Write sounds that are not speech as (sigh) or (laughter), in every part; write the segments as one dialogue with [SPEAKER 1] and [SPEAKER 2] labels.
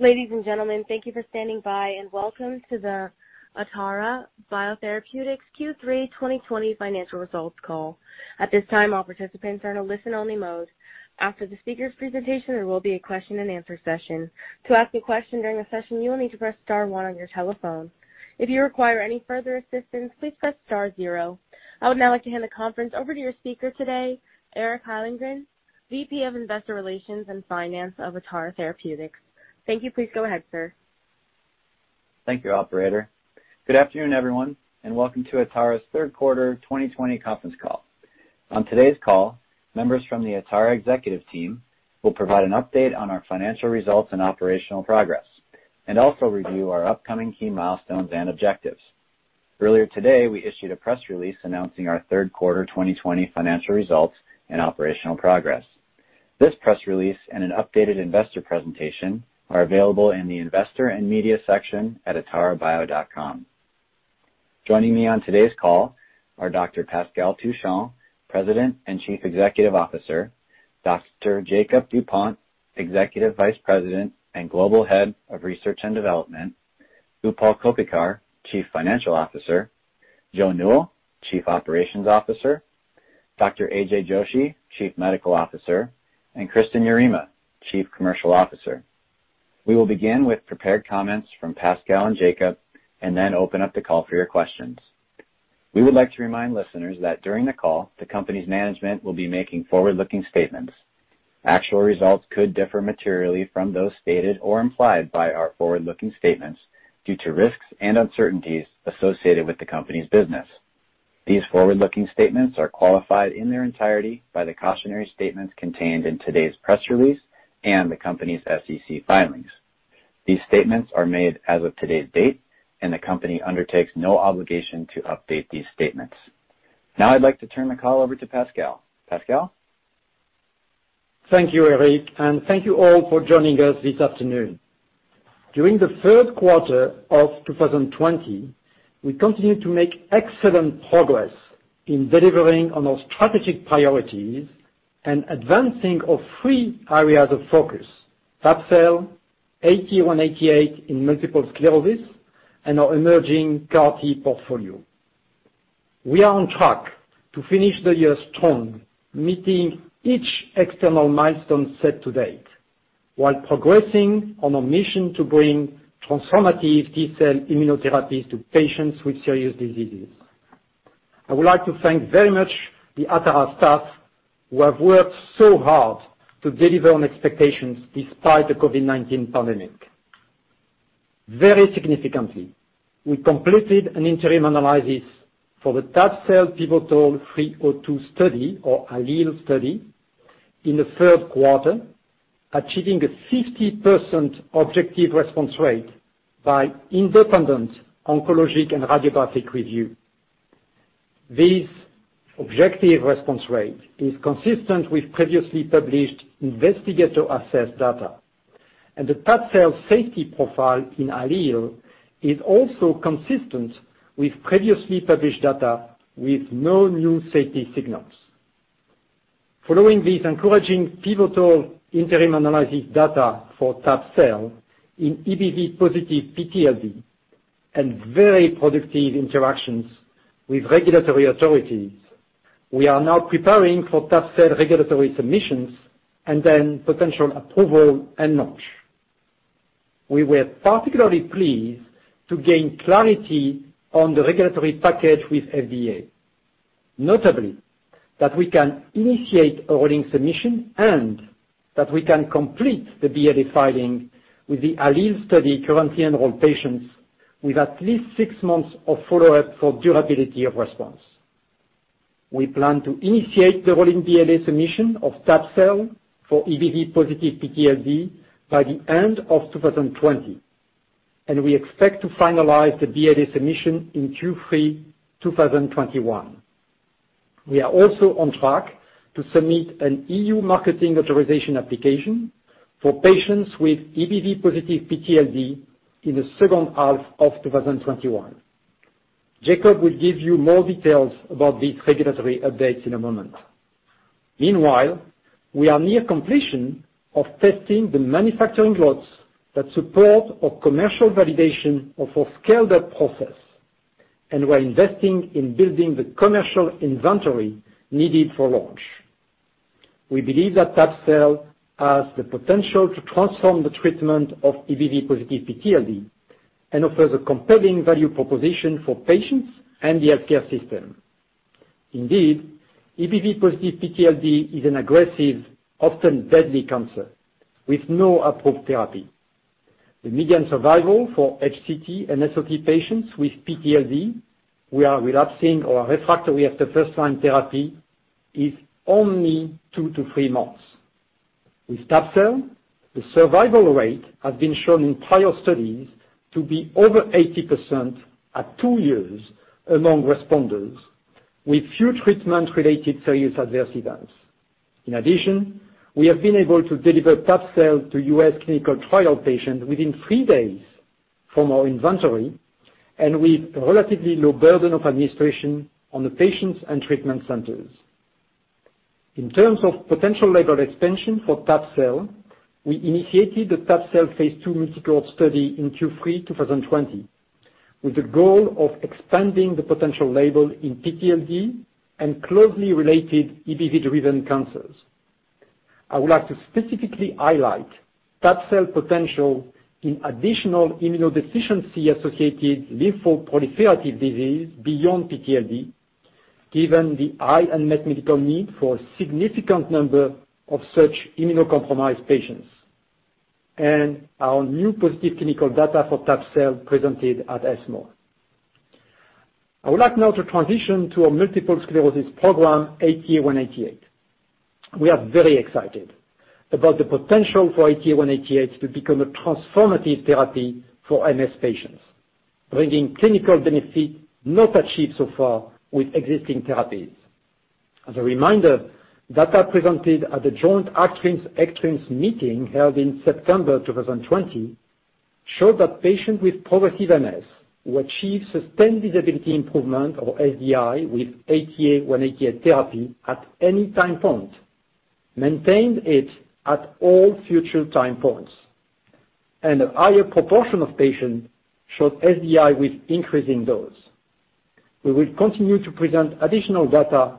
[SPEAKER 1] Ladies and gentlemen, thank you for standing by, and welcome to the Atara Biotherapeutics Q3 2020 financial results call. At this time, all participants are in a listen-only mode. After the speaker's presentation, there will be a question-and-answer session. To ask a question during the session, you need to press star one on your telephone. If you require any further assistance, please press star zero. I would now like to hand the conference over to your speaker today, Eric Hyllengren, VP of Investor Relations and Finance of Atara Biotherapeutics. Thank you. Please go ahead, sir.
[SPEAKER 2] Thank you, operator. Good afternoon, everyone, and welcome to Atara's third quarter 2020 conference call. On today's call, members from the Atara executive team will provide an update on our financial results and operational progress and also review our upcoming key milestones and objectives. Earlier today, we issued a press release announcing our third quarter 2020 financial results and operational progress. This press release and an updated investor presentation are available in the investor and media section at atarabio.com. Joining me on today's call are Dr. Pascal Touchon, President and Chief Executive Officer, Dr. Jakob Dupont, Executive Vice President and Global Head of Research and Development, Utpal Koppikar, Chief Financial Officer, Joe Newell, Chief Technical Operations Officer, Dr. AJ Joshi, Chief Medical Officer, and Kristin Yarema, Chief Commercial Officer. We will begin with prepared comments from Pascal and Jakob and then open up the call for your questions. We would like to remind listeners that during the call, the company's management will be making forward-looking statements. Actual results could differ materially from those stated or implied by our forward-looking statements due to risks and uncertainties associated with the company's business. These forward-looking statements are qualified in their entirety by the cautionary statements contained in today's press release and the company's SEC filings. These statements are made as of today's date, and the company undertakes no obligation to update these statements. Now I'd like to turn the call over to Pascal. Pascal?
[SPEAKER 3] Thank you, Eric, and thank you all for joining us this afternoon. During the third quarter of 2020, we continued to make excellent progress in delivering on our strategic priorities and advancing our three areas of focus: tab-cel, ATA188 in multiple sclerosis, and our emerging CAR T portfolio. We are on track to finish the year strong, meeting each external milestone set to date while progressing on our mission to bring transformative T-cell immunotherapies to patients with serious diseases. I would like to thank very much the Atara staff, who have worked so hard to deliver on expectations despite the COVID-19 pandemic. Very significantly, we completed an interim analysis for the tab-cel pivotal 302 study, or ALLELE study, in the third quarter, achieving a 50% objective response rate by independent oncologic and radiographic review. This objective response rate is consistent with previously published investigator-assessed data, and the tab-cel safety profile in ALLELE is also consistent with previously published data with no new safety signals. Following these encouraging pivotal interim analysis data for tab-cel in EBV+ PTLD and very productive interactions with regulatory authorities, we are now preparing for tab-cel regulatory submissions and then potential approval and launch. We were particularly pleased to gain clarity on the regulatory package with FDA, notably that we can initiate a rolling submission and that we can complete the BLA filing with the ALLELE study currently enrolled patients with at least six months of follow-up for durability of response. We plan to initiate the rolling BLA submission of tab-cel for EBV+ PTLD by the end of 2020, and we expect to finalize the BLA submission in Q3 2021. We are also on track to submit an EU marketing authorization application for patients with EBV+ PTLD in the second half of 2021. Jakob will give you more details about these regulatory updates in a moment. Meanwhile, we are near completion of testing the manufacturing lots that support our commercial validation of our scaled-up process and we're investing in building the commercial inventory needed for launch. We believe that tab-cel has the potential to transform the treatment of EBV+ PTLD and offers a compelling value proposition for patients and the healthcare system. Indeed, EBV+ PTLD is an aggressive, often deadly cancer with no approved therapy. The median survival for HCT and SOT patients with PTLD who are relapsing or refractory after first-line therapy is only two to three months. With tab-cel, the survival rate has been shown in prior studies to be over 80% at two years among responders with few treatment-related serious adverse events. We have been able to deliver tab-cel to U.S. clinical trial patients within three days from our inventory and with relatively low burden of administration on the patients and treatment centers. In terms of potential label expansion for tab-cel, we initiated the tab-cel phase II multi-cohort study in Q3 2020, with the goal of expanding the potential label in PTLD and closely related EBV-driven cancers. I would like to specifically highlight tab-cel potential in additional immunodeficiency-associated lymphoproliferative disease beyond PTLD, given the high unmet medical need for a significant number of such immunocompromised patients, and our new positive clinical data for tab-cel presented at ESMO. I would like now to transition to our multiple sclerosis program, ATA188. We are very excited about the potential for ATA188 to become a transformative therapy for MS patients, bringing clinical benefit not achieved so far with existing therapies. As a reminder, data presented at the joint ACTRIMS-ECTRIMS meeting held in September 2020 showed that patients with progressive MS who achieve sustained disability improvement, or SDI, with ATA188 therapy at any time point maintained it at all future time points, and a higher proportion of patients showed SDI with increasing dose. We will continue to present additional data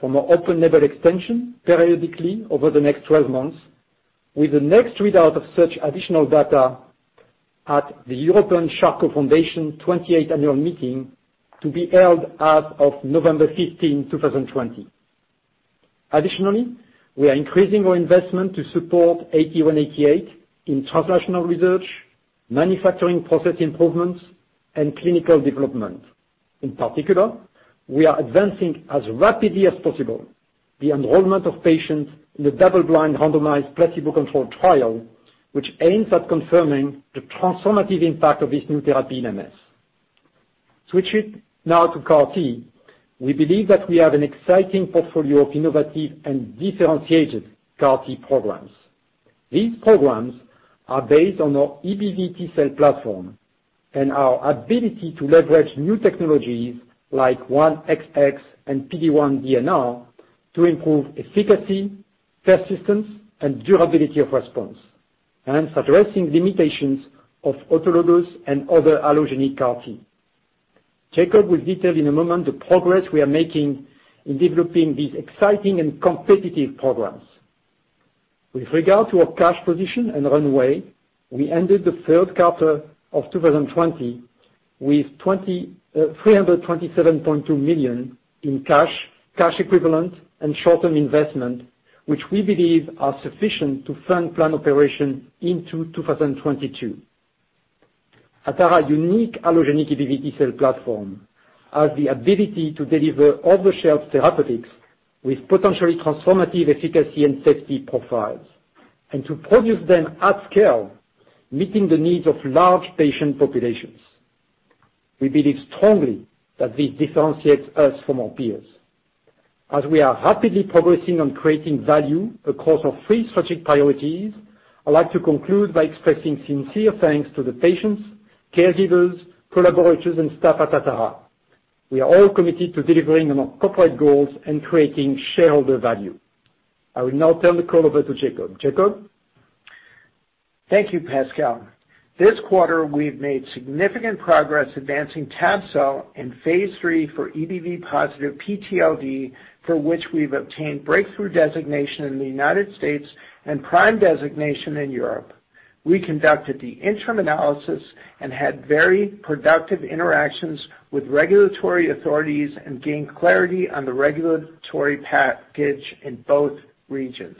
[SPEAKER 3] from our open-label extension periodically over the next 12 months, with the next readout of such additional data at the European Charcot Foundation 28th Annual Meeting to be held as of November 15, 2020. Additionally, we are increasing our investment to support ATA188 in translational research, manufacturing process improvements, and clinical development. In particular, we are advancing as rapidly as possible the enrollment of patients in the double-blind randomized placebo-controlled trial, which aims at confirming the transformative impact of this new therapy in MS. Switching now to CAR T, we believe that we have an exciting portfolio of innovative and differentiated CAR T programs. These programs are based on our EBV T-cell platform and our ability to leverage new technologies like 1XX and PD-1 DNR to improve efficacy, persistence, and durability of response, hence addressing limitations of autologous and other allogeneic CAR T. Jakob will detail in a moment the progress we are making in developing these exciting and competitive programs. With regard to our cash position and runway, we ended the third quarter of 2020 with $327.2 million in cash equivalent, and short-term investment, which we believe are sufficient to fund planned operation into 2022. Atara unique allogeneic EBV T-cell platform has the ability to deliver off-the-shelf therapeutics with potentially transformative efficacy and safety profiles, and to produce them at scale, meeting the needs of large patient populations. We believe strongly that this differentiates us from our peers. We are rapidly progressing on creating value across our three strategic priorities, I'd like to conclude by expressing sincere thanks to the patients, caregivers, collaborators, and staff at Atara. We are all committed to delivering on our corporate goals and creating shareholder value. I will now turn the call over to Jakob. Jakob?
[SPEAKER 4] Thank you, Pascal. This quarter, we've made significant progress advancing tab-cel in phase III for EBV+ PTLD, for which we've obtained breakthrough designation in the U.S. and PRIME designation in Europe. We conducted the interim analysis and had very productive interactions with regulatory authorities and gained clarity on the regulatory package in both regions.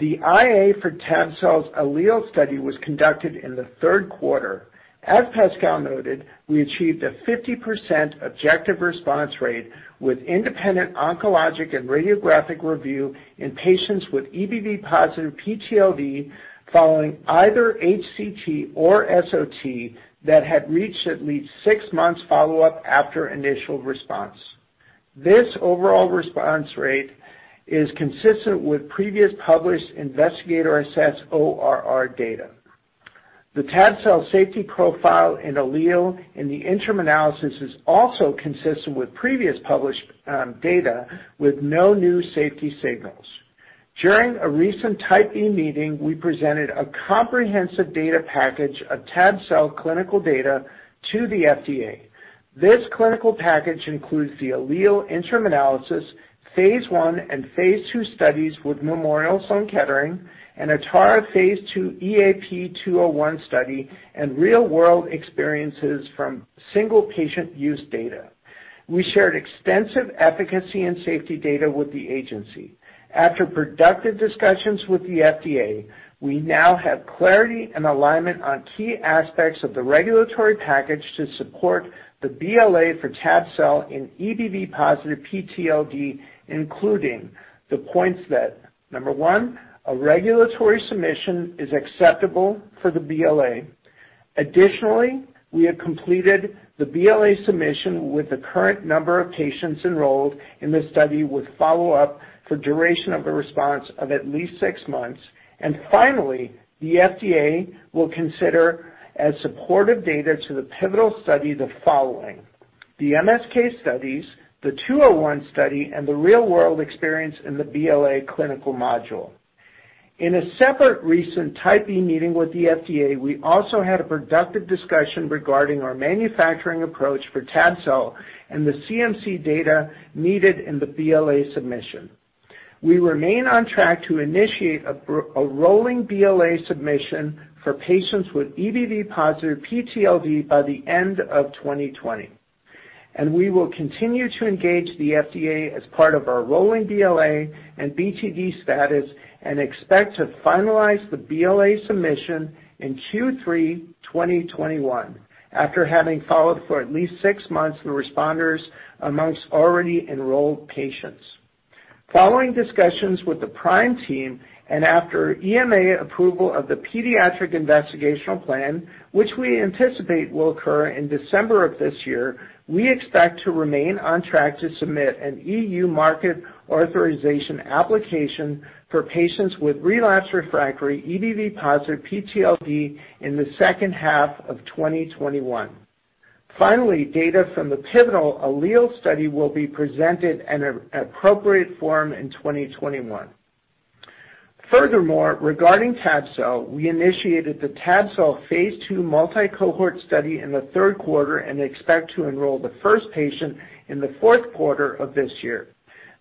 [SPEAKER 4] The IA for tab-cel's ALLELE study was conducted in the third quarter. As Pascal noted, we achieved a 50% objective response rate with independent oncologic and radiographic review in patients with EBV+ PTLD, following either HCT or SOT that had reached at least six months follow-up after initial response. This overall response rate is consistent with previous published investigator-assessed ORR data. The tab-cel safety profile in ALLELE in the interim analysis is also consistent with previous published data, with no new safety signals. During a recent Type E meeting, we presented a comprehensive data package of tab-cel clinical data to the FDA. This clinical package includes the ALLELE interim analysis, phase I and phase II studies with Memorial Sloan Kettering, an Atara phase II EAP201 study, and real-world experiences from single patient use data. We shared extensive efficacy and safety data with the agency. After productive discussions with the FDA, we now have clarity and alignment on key aspects of the regulatory package to support the BLA for tab-cel in EBV+ PTLD, including the points that, number one, a regulatory submission is acceptable for the BLA. Additionally, we have completed the BLA submission with the current number of patients enrolled in the study with follow-up for duration of the response of at least six months. Finally, the FDA will consider as supportive data to the pivotal study the following. The MSK studies, the 201 study, and the real-world experience in the BLA clinical module. In a separate recent Type B meeting with the FDA, we also had a productive discussion regarding our manufacturing approach for tab-cel and the CMC data needed in the BLA submission. We remain on track to initiate a rolling BLA submission for patients with EBV+ PTLD by the end of 2020. We will continue to engage the FDA as part of our rolling BLA and BTD status and expect to finalize the BLA submission in Q3 2021 after having followed for at least six months the responders amongst already enrolled patients. Following discussions with the PRIME team and after EMA approval of the paediatric investigation plan, which we anticipate will occur in December of this year, we expect to remain on track to submit an EU market authorization application for patients with relapse refractory EBV positive PTLD in the second half of 2021. Data from the pivotal ALLELE study will be presented in an appropriate form in 2021. Regarding tab-cel, we initiated the tab-cel phase II multi-cohort study in the third quarter and expect to enroll the first patient in the fourth quarter of this year.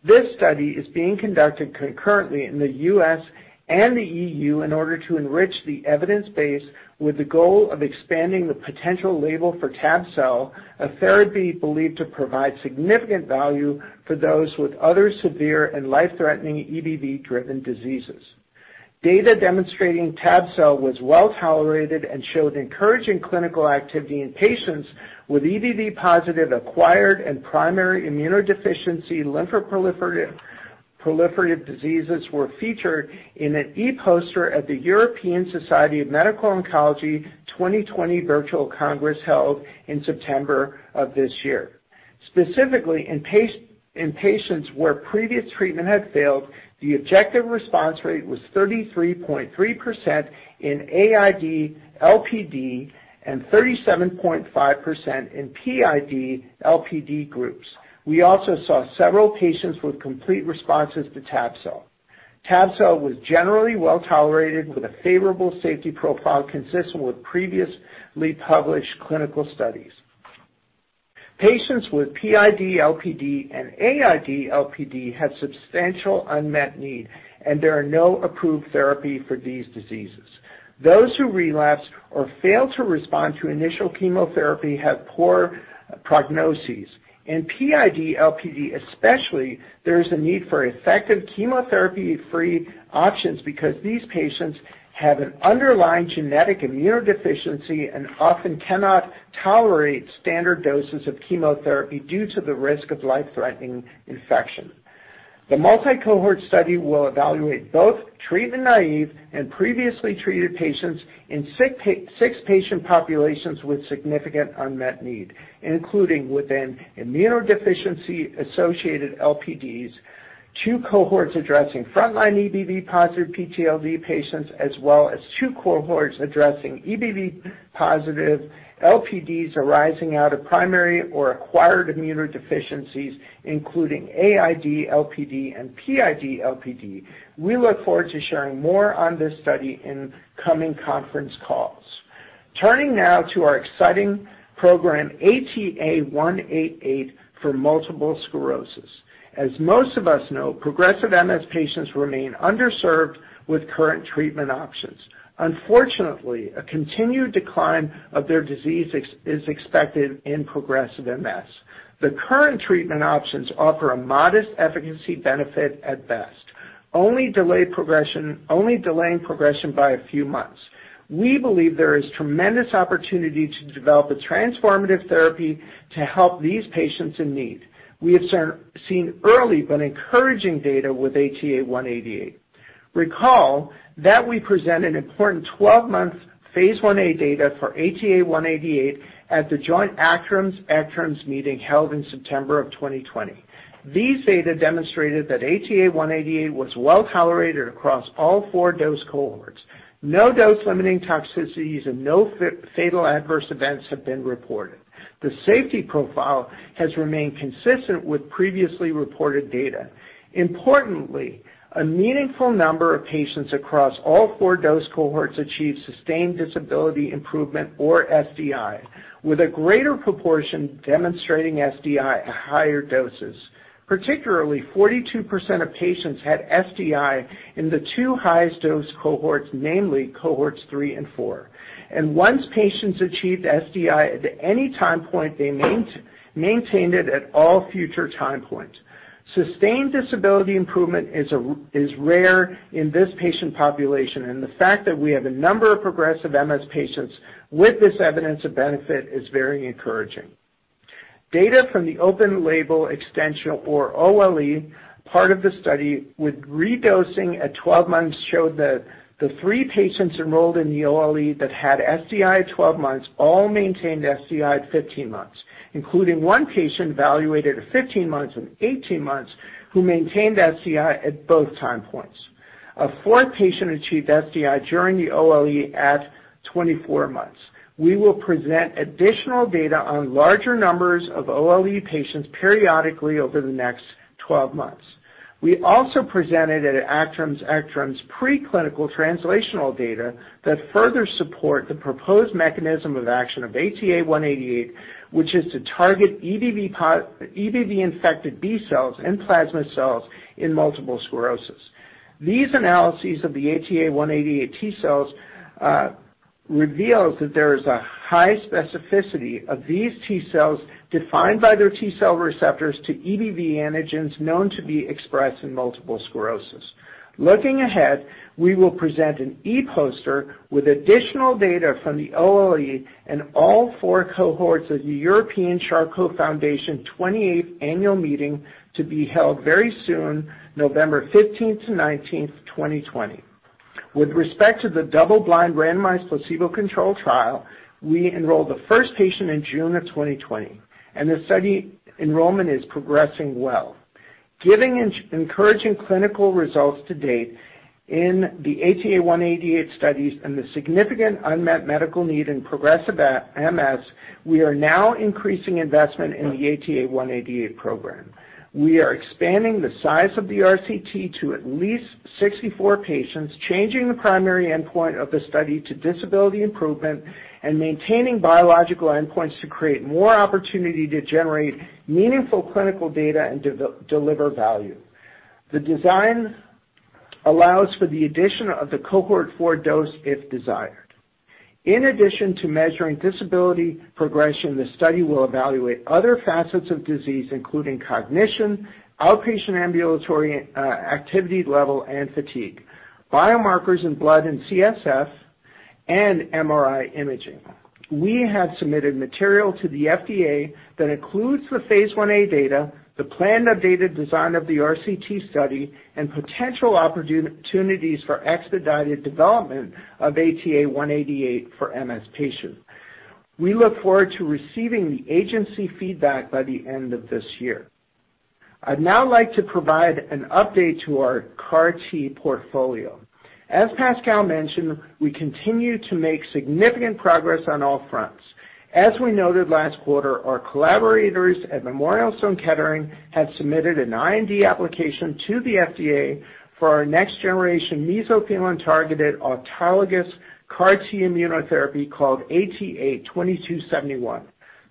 [SPEAKER 4] This study is being conducted concurrently in the U.S. and the EU in order to enrich the evidence base with the goal of expanding the potential label for tab-cel, a therapy believed to provide significant value for those with other severe and life-threatening EBV-driven diseases. Data demonstrating tab-cel was well-tolerated and showed encouraging clinical activity in patients with EBV positive acquired and primary immunodeficiency lymphoproliferative diseases were featured in an e-poster at the European Society for Medical Oncology 2020 Virtual Congress held in September of this year. Specifically, in patients where previous treatment had failed, the objective response rate was 33.3% in AID-LPD and 37.5% in PID-LPD groups. We also saw several patients with complete responses to tab-cel. Tab-cel was generally well-tolerated with a favorable safety profile consistent with previously published clinical studies. Patients with PID-LPD and AID-LPD have substantial unmet need, and there are no approved therapy for these diseases. Those who relapse or fail to respond to initial chemotherapy have poor prognoses. In PID-LPD especially, there is a need for effective chemotherapy-free options because these patients have an underlying genetic immunodeficiency and often cannot tolerate standard doses of chemotherapy due to the risk of life-threatening infection. The multi-cohort study will evaluate both treatment-naive and previously treated patients in six patient populations with significant unmet need, including within immunodeficiency-associated LPDs, two cohorts addressing frontline EBV+ PTLD patients, as well as two cohorts addressing EBV+ LPDs arising out of primary or acquired immunodeficiencies, including AID-LPD and PID-LPD. We look forward to sharing more on this study in coming conference calls. Turning now to our exciting program, ATA188 for multiple sclerosis. As most of us know, progressive MS patients remain underserved with current treatment options. Unfortunately, a continued decline of their disease is expected in progressive MS. The current treatment options offer a modest efficacy benefit at best, only delaying progression by a few months. We believe there is tremendous opportunity to develop a transformative therapy to help these patients in need. We have seen early but encouraging data with ATA188. Recall that we present an important 12-month phase I-A data for ATA188 at the joint ACTRIMS-ECTRIMS meeting held in September of 2020. These data demonstrated that ATA188 was well-tolerated across all four dose cohorts. No dose-limiting toxicities and no fatal adverse events have been reported. The safety profile has remained consistent with previously reported data. Importantly, a meaningful number of patients across all four dose cohorts achieved sustained disability improvement or SDI, with a greater proportion demonstrating SDI at higher doses. Particularly, 42% of patients had SDI in the two highest dose cohorts, namely cohorts three and four. Once patients achieved SDI at any time point, they maintained it at all future time points. Sustained disability improvement is rare in this patient population, and the fact that we have a number of progressive MS patients with this evidence of benefit is very encouraging. Data from the open label extension or OLE part of the study with redosing at 12 months showed that the three patients enrolled in the OLE that had SDI at 12 months all maintained SDI at 15 months, including one patient evaluated at 15 months and 18 months who maintained SDI at both time points. A fourth patient achieved SDI during the OLE at 24 months. We will present additional data on larger numbers of OLE patients periodically over the next 12 months. We also presented at ACTRIMS-ECTRIMS preclinical translational data that further support the proposed mechanism of action of ATA188, which is to target EBV-infected B cells and plasma cells in multiple sclerosis. These analyses of the ATA188 T-cells reveal that there is a high specificity of these T-cells defined by their T-cell receptors to EBV antigens known to be expressed in multiple sclerosis. Looking ahead, we will present an e-poster with additional data from the OLE and all four cohorts of the European Charcot Foundation 28th Annual Meeting to be held very soon, November 15th to 19th, 2020. With respect to the double-blind randomized placebo-controlled trial, we enrolled the first patient in June of 2020, and the study enrollment is progressing well. Given encouraging clinical results to date in the ATA188 studies and the significant unmet medical need in progressive MS, we are now increasing investment in the ATA188 program. We are expanding the size of the RCT to at least 64 patients, changing the primary endpoint of the study to disability improvement, and maintaining biological endpoints to create more opportunity to generate meaningful clinical data and deliver value. The design allows for the addition of the cohort four dose if desired. In addition to measuring disability progression, the study will evaluate other facets of disease including cognition, outpatient ambulatory activity level, and fatigue, biomarkers in blood and CSF, and MRI imaging. We have submitted material to the FDA that includes the phase I-A data, the planned updated design of the RCT study, and potential opportunities for expedited development of ATA188 for MS patients. We look forward to receiving the agency feedback by the end of this year. I'd now like to provide an update to our CAR T portfolio. As Pascal mentioned, we continue to make significant progress on all fronts. As we noted last quarter, our collaborators at Memorial Sloan Kettering have submitted an IND application to the FDA for our next-generation mesothelin-targeted autologous CAR T immunotherapy called ATA2271.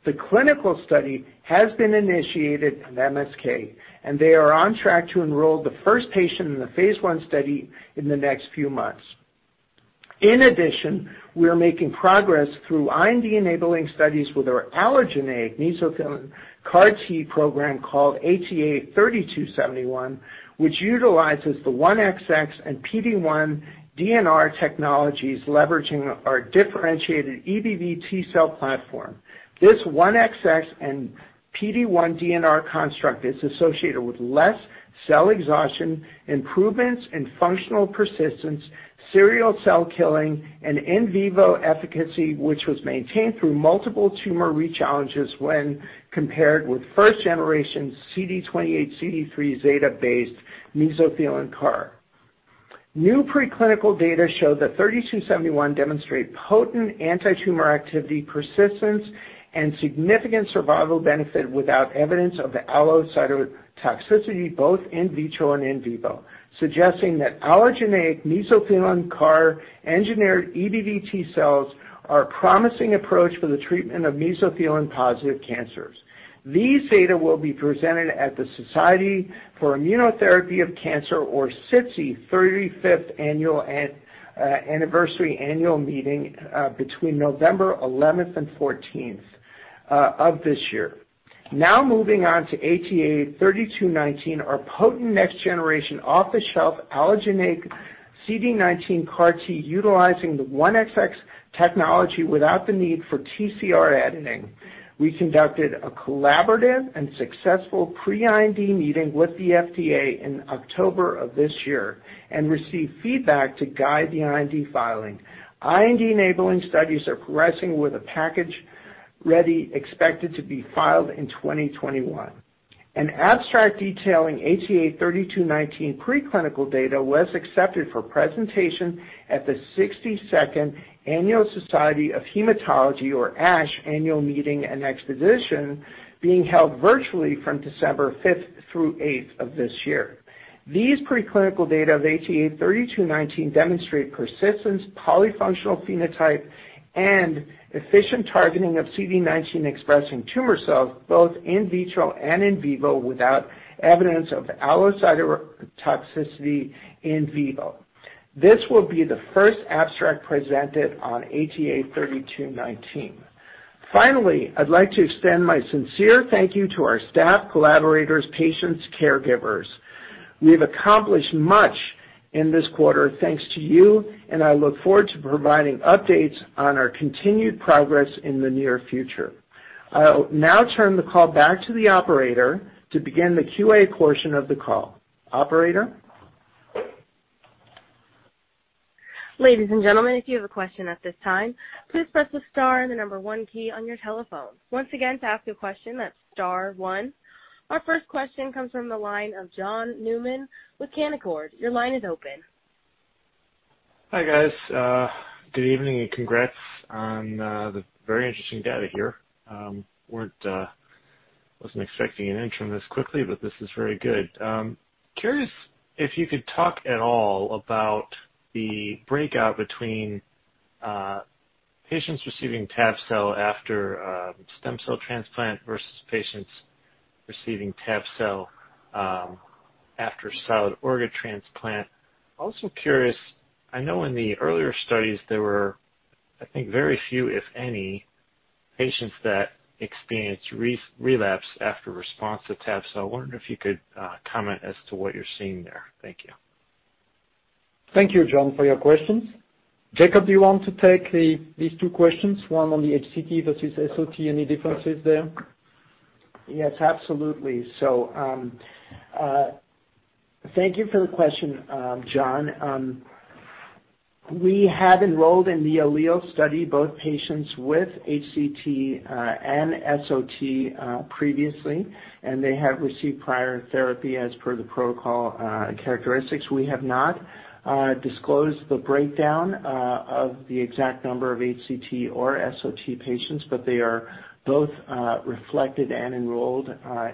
[SPEAKER 4] The clinical study has been initiated at MSK, and they are on track to enroll the first patient in the phase I study in the next few months. In addition, we are making progress through IND-enabling studies with our allogeneic mesothelin CAR T program called ATA3271, which utilizes the 1XX and PD-1 DNR technologies leveraging our differentiated EBV T-cell platform. This 1XX and PD-1 DNR construct is associated with less cell exhaustion, improvements in functional persistence, serial cell killing, and in vivo efficacy, which was maintained through multiple tumor rechallenges when compared with first-generation CD28, CD3 zeta-based mesothelin CAR. New preclinical data show that 3271 demonstrate potent antitumor activity, persistence, and significant survival benefit without evidence of allocytotoxicity, both in vitro and in vivo, suggesting that allogeneic mesothelin CAR engineered EBV T-cells are a promising approach for the treatment of mesothelin-positive cancers. These data will be presented at the Society for Immunotherapy of Cancer, or SITC, 35th anniversary annual meeting between November 11th and 14th of this year. Moving on to ATA3219, our potent next-generation off-the-shelf allogeneic CD19 CAR T utilizing the 1XX technology without the need for TCR editing. We conducted a collaborative and successful pre-IND meeting with the FDA in October of this year and received feedback to guide the IND filing. IND enabling studies are progressing with a package ready expected to be filed in 2021. An abstract detailing ATA3219 preclinical data was accepted for presentation at the 62nd Annual American Society of Hematology, or ASH, Annual Meeting and Exposition, being held virtually from December 5th through 8th of this year. These preclinical data of ATA3219 demonstrate persistence, polyfunctional phenotype, and efficient targeting of CD19-expressing tumor cells, both in vitro and in vivo, without evidence of allocytotoxicity in vivo. This will be the first abstract presented on ATA3219. Finally, I'd like to extend my sincere thank you to our staff, collaborators, patients, caregivers. We've accomplished much in this quarter thanks to you, and I look forward to providing updates on our continued progress in the near future. I'll now turn the call back to the operator to begin the QA portion of the call. Operator?
[SPEAKER 1] Ladies and gentlemen, if you have a question at this time, please press the star and the number one key on your telephone. Once again, to ask a question, that's star one. Our first question comes from the line of John Newman with Canaccord. Your line is open.
[SPEAKER 5] Hi guys. Good evening and congrats on the very interesting data here. Wasn't expecting an interim this quickly, but this is very good. Curious if you could talk at all about the breakout between patients receiving tab-cel after stem cell transplant versus patients receiving tab-cel after solid organ transplant. Also curious, I know in the earlier studies there were, I think, very few, if any, patients that experienced relapse after response to tab. I wondered if you could comment as to what you're seeing there. Thank you.
[SPEAKER 3] Thank you, John, for your questions. Jakob, do you want to take these two questions, one on the HCT versus SOT, any differences there?
[SPEAKER 4] Yes, absolutely. Thank you for the question, John. We have enrolled in the ALLELE study both patients with HCT and SOT previously, and they have received prior therapy as per the protocol characteristics. We have not disclosed the breakdown of the exact number of HCT or SOT patients, but they are both reflected and enrolled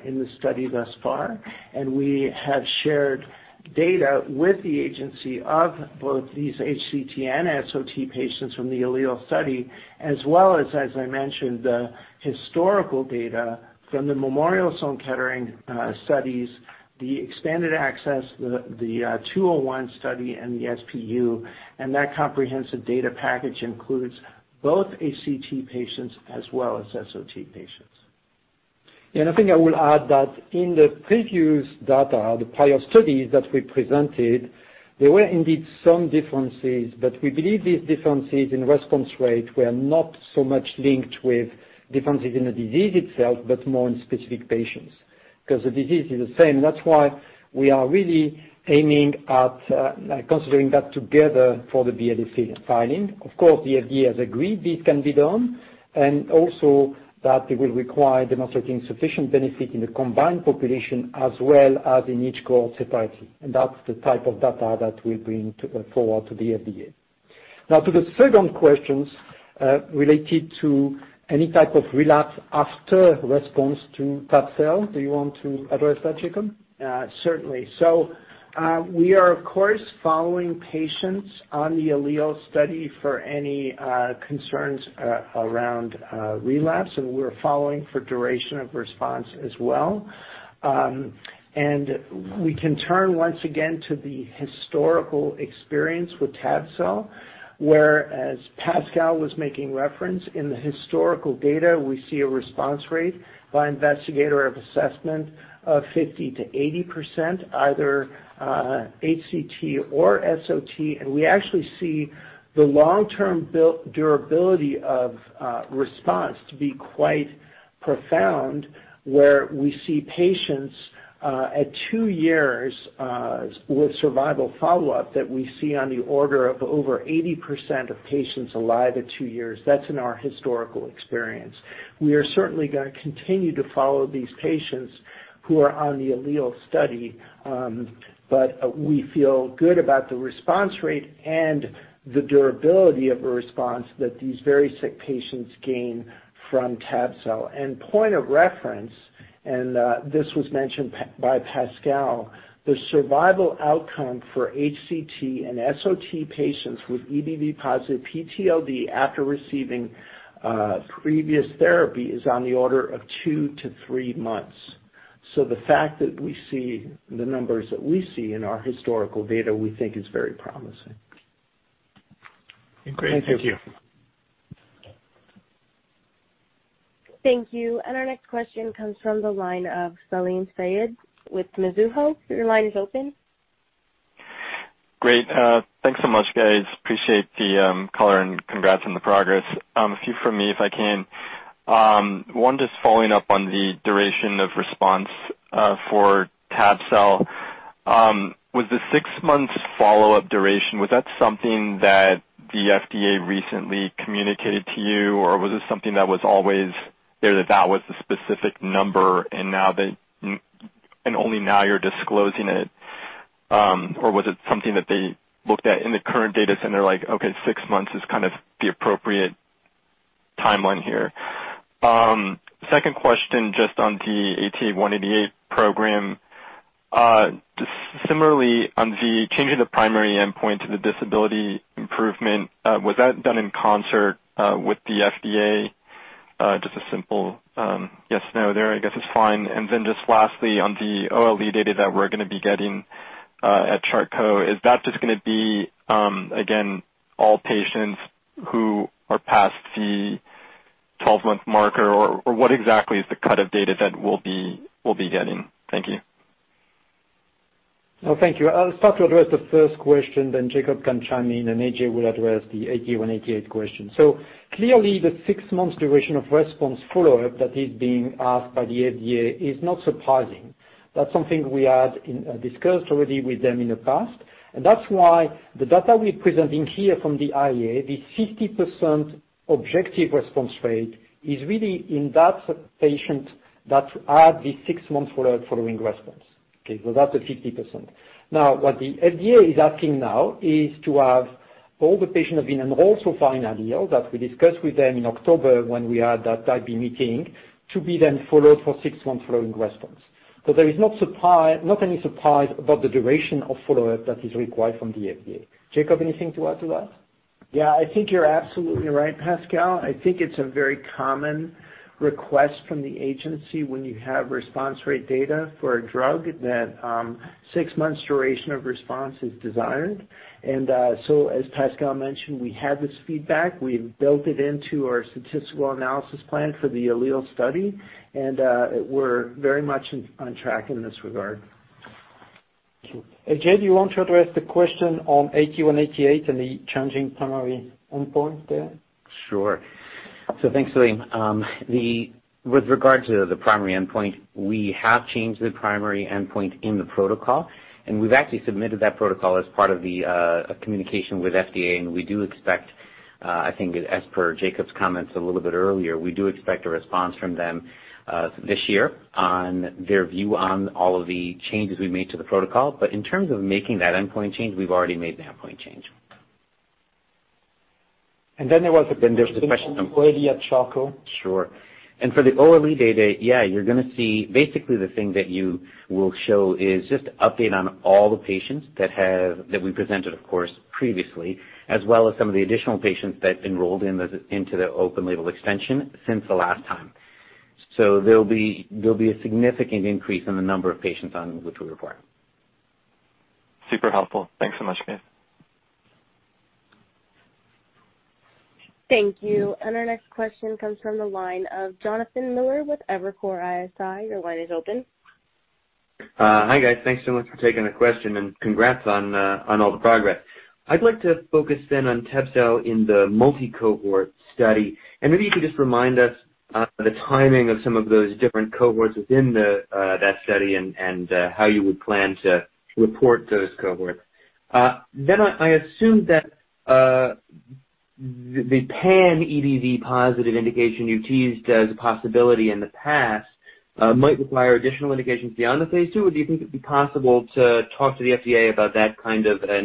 [SPEAKER 4] in the study thus far. We have shared data with the agency of both these HCT and SOT patients from the ALLELE study, as well as I mentioned, the historical data from the Memorial Sloan Kettering studies, the expanded access, the 201 study and the SPU, and that comprehensive data package includes both HCT patients as well as SOT patients.
[SPEAKER 3] I think I will add that in the previous data, the prior studies that we presented, there were indeed some differences, but we believe these differences in response rate were not so much linked with differences in the disease itself, but more in specific patients, because the disease is the same. That's why we are really aiming at considering that together for the FDA decision filing. The FDA has agreed this can be done, also that it will require demonstrating sufficient benefit in the combined population as well as in each cohort separately. That's the type of data that we bring forward to the FDA. To the second questions, related to any type of relapse after response to tab-cel. Do you want to address that, Jakob?
[SPEAKER 4] Certainly. We are, of course, following patients on the ALLELE study for any concerns around relapse, and we're following for duration of response as well. We can turn once again to the historical experience with tab-cel, where, as Pascal was making reference, in the historical data, we see a response rate by investigator of assessment of 50%-80%, either HCT or SOT. We actually see the long-term durability of response to be quite profound, where we see patients at two years with survival follow-up that we see on the order of over 80% of patients alive at two years. That's in our historical experience. We are certainly going to continue to follow these patients who are on the ALLELE study. We feel good about the response rate and the durability of a response that these very sick patients gain from tab-cel. Point of reference, and this was mentioned by Pascal, the survival outcome for HCT and SOT patients with EBV+ PTLD after receiving previous therapy is on the order of two to three months. The fact that we see the numbers that we see in our historical data we think is very promising.
[SPEAKER 5] Okay. Thank you.
[SPEAKER 3] Thank you.
[SPEAKER 1] Thank you. Our next question comes from the line of Salim Syed with Mizuho. Your line is open.
[SPEAKER 6] Great. Thanks so much, guys. Appreciate the color and congrats on the progress. A few from me, if I can. One, just following up on the duration of response for tab-cel. With the six months follow-up duration, was that something that the FDA recently communicated to you, or was this something that was always there, that was the specific number and only now you're disclosing it, or was it something that they looked at in the current data set like, okay, six months is kind of the appropriate timeline here? Second question, just on the ATA188 program. Similarly, on the change in the primary endpoint to the disability improvement, was that done in concert with the FDA? Just a simple yes, no there, I guess is fine. Just lastly, on the OLE data that we're going to be getting at Charcot, is that just going to be, again, all patients who are past the 12-month marker, or what exactly is the cut of data that we'll be getting? Thank you.
[SPEAKER 3] Thank you. I'll start to address the first question, then Jakob can chime in, and AJ will address the ATA188 question. Clearly the six months duration of response follow-up that is being asked by the FDA is not surprising. That's something we had discussed already with them in the past, and that's why the data we're presenting here from the IORA, the 50% objective response rate is really in that patient that had the six months follow-up following response. Okay, that's at 50%. What the FDA is asking now is to have all the patients have been and also find ALLELE that we discussed with them in October when we had that Type B meeting to be then followed for six months following response. There is not any surprise about the duration of follow-up that is required from the FDA. Jakob, anything to add to that?
[SPEAKER 4] Yeah, I think you're absolutely right, Pascal. I think it's a very common request from the agency when you have response rate data for a drug that six months duration of response is desired. As Pascal mentioned, we had this feedback. We've built it into our statistical analysis plan for the ALLELE study, and we're very much on track in this regard.
[SPEAKER 3] Thank you. AJ, do you want to address the question on ATA188 and the changing primary endpoint there?
[SPEAKER 7] Sure. Thanks, Salim. With regard to the primary endpoint, we have changed the primary endpoint in the protocol. We've actually submitted that protocol as part of the communication with FDA. We do expect, I think as per Jakob's comments a little bit earlier, we do expect a response from them this year on their view on all of the changes we made to the protocol. In terms of making that endpoint change, we've already made that endpoint change. (crosstalk) Sure. For the OLE data, yeah, you're going to see basically the thing that you will show is just update on all the patients that we presented, of course, previously, as well as some of the additional patients that enrolled into the open-label extension since the last time. There'll be a significant increase in the number of patients on which we report.
[SPEAKER 6] Super helpful. Thanks so much, guys.
[SPEAKER 1] Thank you. Our next question comes from the line of Jonathan Miller with Evercore ISI. Your line is open.
[SPEAKER 8] Hi, guys. Thanks so much for taking the question. Congrats on all the progress. I'd like to focus on tab-cel in the multi-cohort study. Maybe you could just remind us of the timing of some of those different cohorts within that study and how you would plan to report those cohorts. I assume that the pan-EBV positive indication you teased as a possibility in the past might require additional indications beyond the phase II, or do you think it'd be possible to talk to the FDA about that kind of a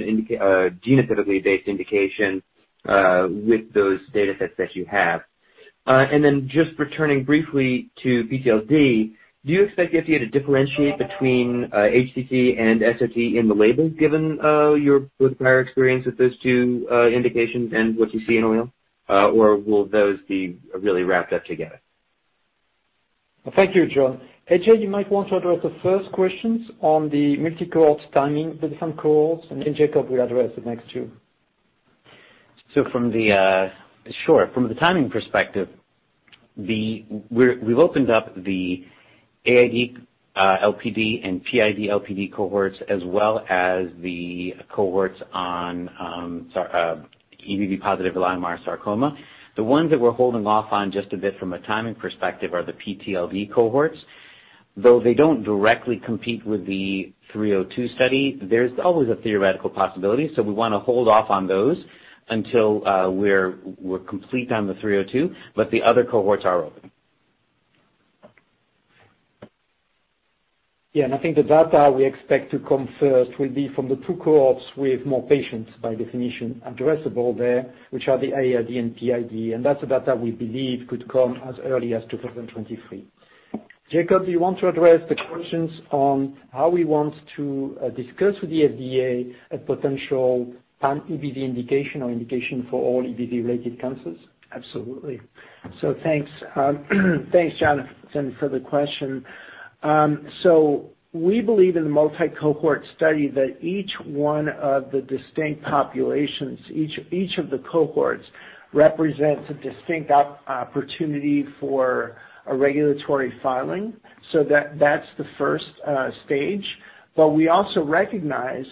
[SPEAKER 8] genotypically based indication with those data sets that you have? Just returning briefly to PTLD, do you expect the FDA to differentiate between HCT and SOT in the label given your prior experience with those two indications and what you see in ALLELE? Will those be really wrapped up together?
[SPEAKER 3] Thank you, John. AJ, you might want to address the first questions on the multi-cohort timing for different cohorts, and then Jakob will address the next two.
[SPEAKER 7] Sure. From the timing perspective, we've opened up the AID-LPD and PID-LPD cohorts, as well as the cohorts on EBV+ leiomyosarcoma. The ones that we're holding off on just a bit from a timing perspective are the PTLD cohorts. Though they don't directly compete with the 302 study, there's always a theoretical possibility, so we want to hold off on those until we're complete on the 302. The other cohorts are open.
[SPEAKER 3] Yeah, I think the data we expect to come first will be from the two cohorts with more patients by definition addressable there, which are the AID and PID, and that's the data we believe could come as early as 2023. Jakob, do you want to address the questions on how we want to discuss with the FDA a potential pan-EBV indication or indication for all EBV-related cancers?
[SPEAKER 4] Absolutely. Thanks Jonathan for the question. We believe in the multi-cohort study that each one of the distinct populations, each of the cohorts, represents a distinct opportunity for a regulatory filing. That's the first stage. We also recognize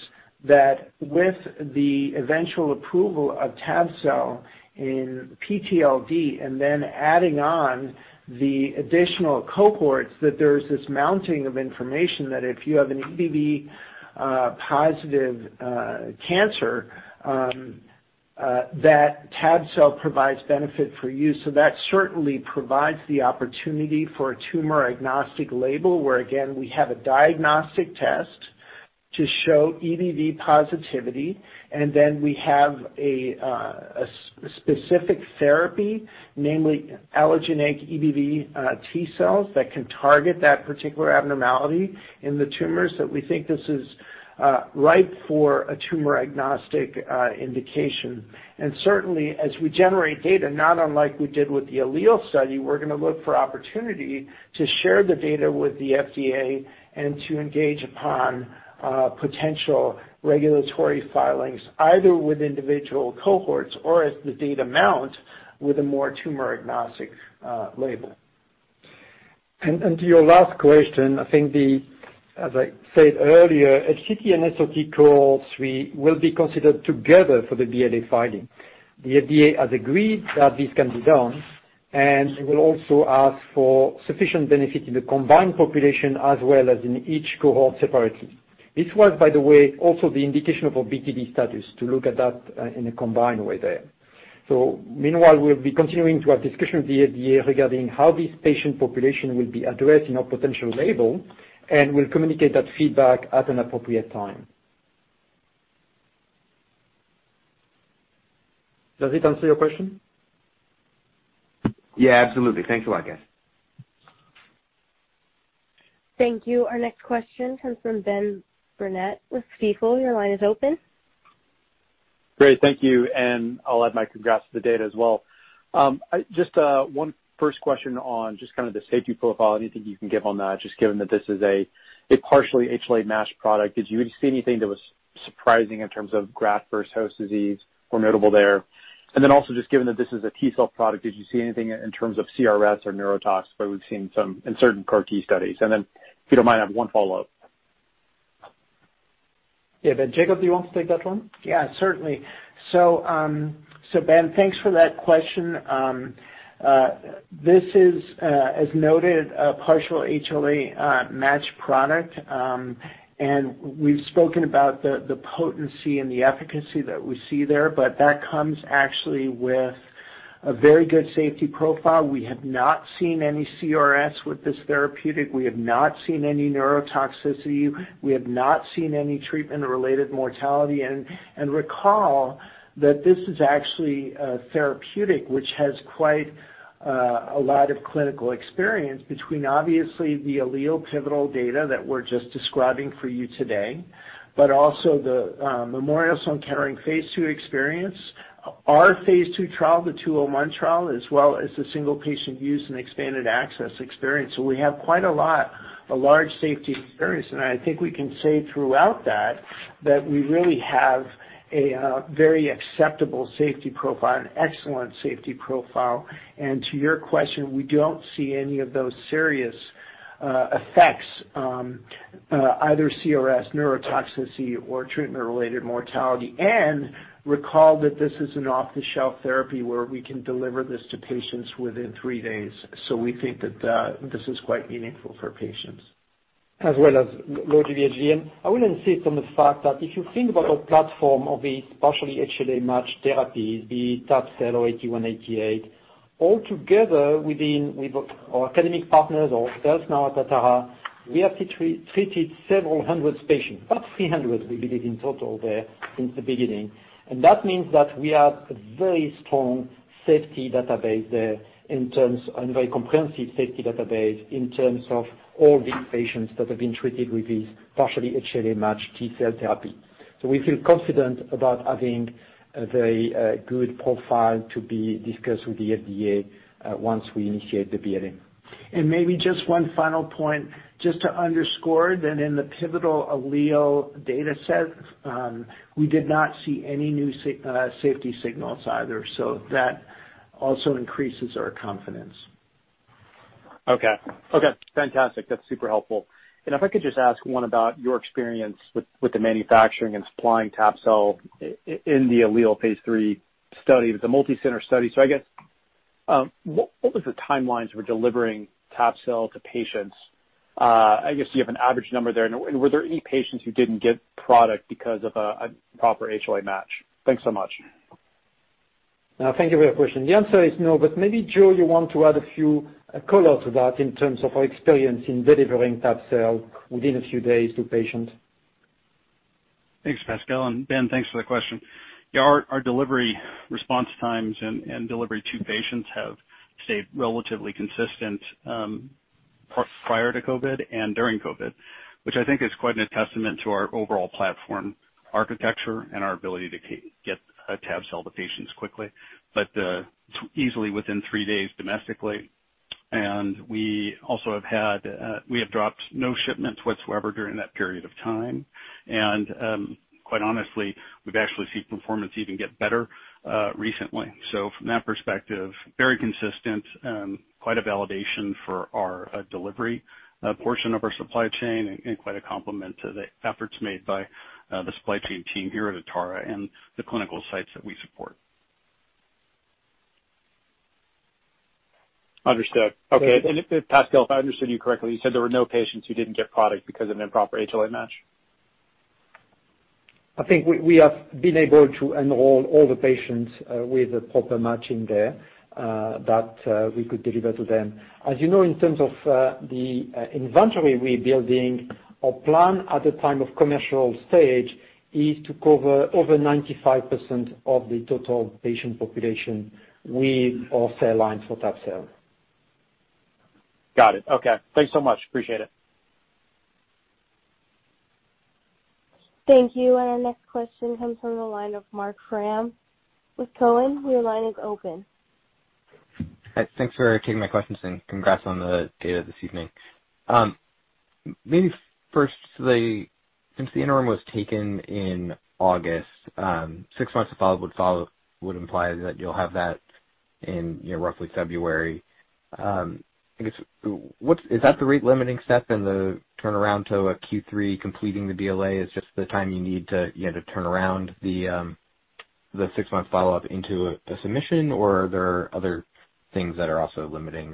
[SPEAKER 4] that with the eventual approval of tab-cel in PTLD and then adding on the additional cohorts, that there is this mounting of information that if you have an EBV+ cancer, that tab-cel provides benefit for you. That certainly provides the opportunity for a tumor-agnostic label where again, we have a diagnostic test to show EBV positivity, and then we have a specific therapy, namely allogeneic EBV T-cells that can target that particular abnormality in the tumors that we think this is ripe for a tumor-agnostic indication. Certainly, as we generate data, not unlike we did with the ALLELE study, we're going to look for opportunity to share the data with the FDA and to engage upon potential regulatory filings, either with individual cohorts or as the data mount with a more tumor-agnostic label.
[SPEAKER 3] To your last question, I think as I said earlier, HCT and SOT cohorts will be considered together for the BLA filing. The FDA has agreed that this can be done, and they will also ask for sufficient benefit in the combined population as well as in each cohort separately. This was, by the way, also the indication of our BTD studies to look at that in a combined way there. Meanwhile, we'll be continuing to have discussion with the FDA regarding how this patient population will be addressed in our potential label, and we'll communicate that feedback at an appropriate time. Does it answer your question?
[SPEAKER 8] Yeah, absolutely. Thanks a lot, guys.
[SPEAKER 1] Thank you. Our next question comes from Ben Burnett with Stifel. Your line is open.
[SPEAKER 9] Great. Thank you. I'll add my congrats to the data as well. Just one first question on just kind of the safety profile, anything you can give on that, just given that this is a partially HLA-matched product. Did you see anything that was surprising in terms of graft-versus-host disease or notable there? Also just given that this is a T-cell product, did you see anything in terms of CRS or neurotox, where we've seen some in certain CAR T studies? If you don't mind, I have one follow-up.
[SPEAKER 3] Yeah. Ben, Jakob, do you want to take that one?
[SPEAKER 4] Ben, thanks for that question. This is, as noted, a partial HLA-matched product. We've spoken about the potency and the efficacy that we see there, but that comes actually with a very good safety profile. We have not seen any CRS with this therapeutic. We have not seen any neurotoxicity. We have not seen any treatment or related mortality. Recall that this is actually a therapeutic which has quite a lot of clinical experience between obviously the ALLELE pivotal data that we're just describing for you today, but also the Memorial Sloan Kettering phase II experience, our phase II trial, the 201 trial, as well as the single-patient use and expanded access experience. We have quite a lot, a large safety experience. I think we can say throughout that that we really have a very acceptable safety profile, an excellent safety profile. To your question, we don't see any of those serious effects, either CRS, neurotoxicity, or treatment-related mortality. Recall that this is an off-the-shelf therapy where we can deliver this to patients within three days. We think that this is quite meaningful for patients.
[SPEAKER 3] As well as low GvHD. I will insist on the fact that if you think about our platform of these partially HLA-matched therapies, be it tab-cel or ATA188, all together with our academic partners or us now at Atara, we have treated several hundred patients, about 300 we believe in total there since the beginning. That means that we have a very strong safety database there, and very comprehensive safety database in terms of all these patients that have been treated with these partially HLA-matched T-cell therapy. We feel confident about having a very good profile to be discussed with the FDA once we initiate the BLA.
[SPEAKER 4] Maybe just one final point, just to underscore that in the pivotal ALLELE data set, we did not see any new safety signals either, so that also increases our confidence.
[SPEAKER 9] Okay. Fantastic. That's super helpful. If I could just ask one about your experience with the manufacturing and supplying tab-cel in the ALLELE phase III study. It was a multi-center study. I guess, what was the timelines for delivering tab-cel to patients? I guess you have an average number there. Were there any patients who didn't get product because of an improper HLA match? Thanks so much.
[SPEAKER 3] Thank you for your question. The answer is no, but maybe, Joe, you want to add a few color to that in terms of our experience in delivering tab-cel within a few days to patients.
[SPEAKER 10] Thanks, Pascal. Ben, thanks for the question. Yeah, our delivery response times and delivery to patients have stayed relatively consistent prior to COVID and during COVID, which I think is quite a testament to our overall platform architecture and our ability to get tab-cel to patients quickly, but easily within three days domestically. We have dropped no shipments whatsoever during that period of time. Quite honestly, we've actually seen performance even get better recently. From that perspective, very consistent, quite a validation for our delivery portion of our supply chain, and quite a compliment to the efforts made by the supply chain team here at Atara and the clinical sites that we support.
[SPEAKER 9] Understood. Okay. Pascal, if I understood you correctly, you said there were no patients who didn't get product because of an improper HLA match?
[SPEAKER 3] I think we have been able to enroll all the patients with a proper matching there that we could deliver to them. As you know, in terms of the inventory we're building, our plan at the time of commercial stage is to cover over 95% of the total patient population with our cell lines for tab-cel.
[SPEAKER 9] Got it. Okay. Thanks so much. Appreciate it.
[SPEAKER 1] Thank you. Our next question comes from the line of Marc Frahm with Cowen. Your line is open.
[SPEAKER 11] Thanks for taking my questions. Congrats on the data this evening. Maybe firstly, since the interim was taken in August, six months of follow-up would imply that you'll have that in roughly February. I guess, is that the rate-limiting step in the turnaround to a Q3 completing the BLA is just the time you need to turn around the six-month follow-up into a submission, or are there other things that are also limiting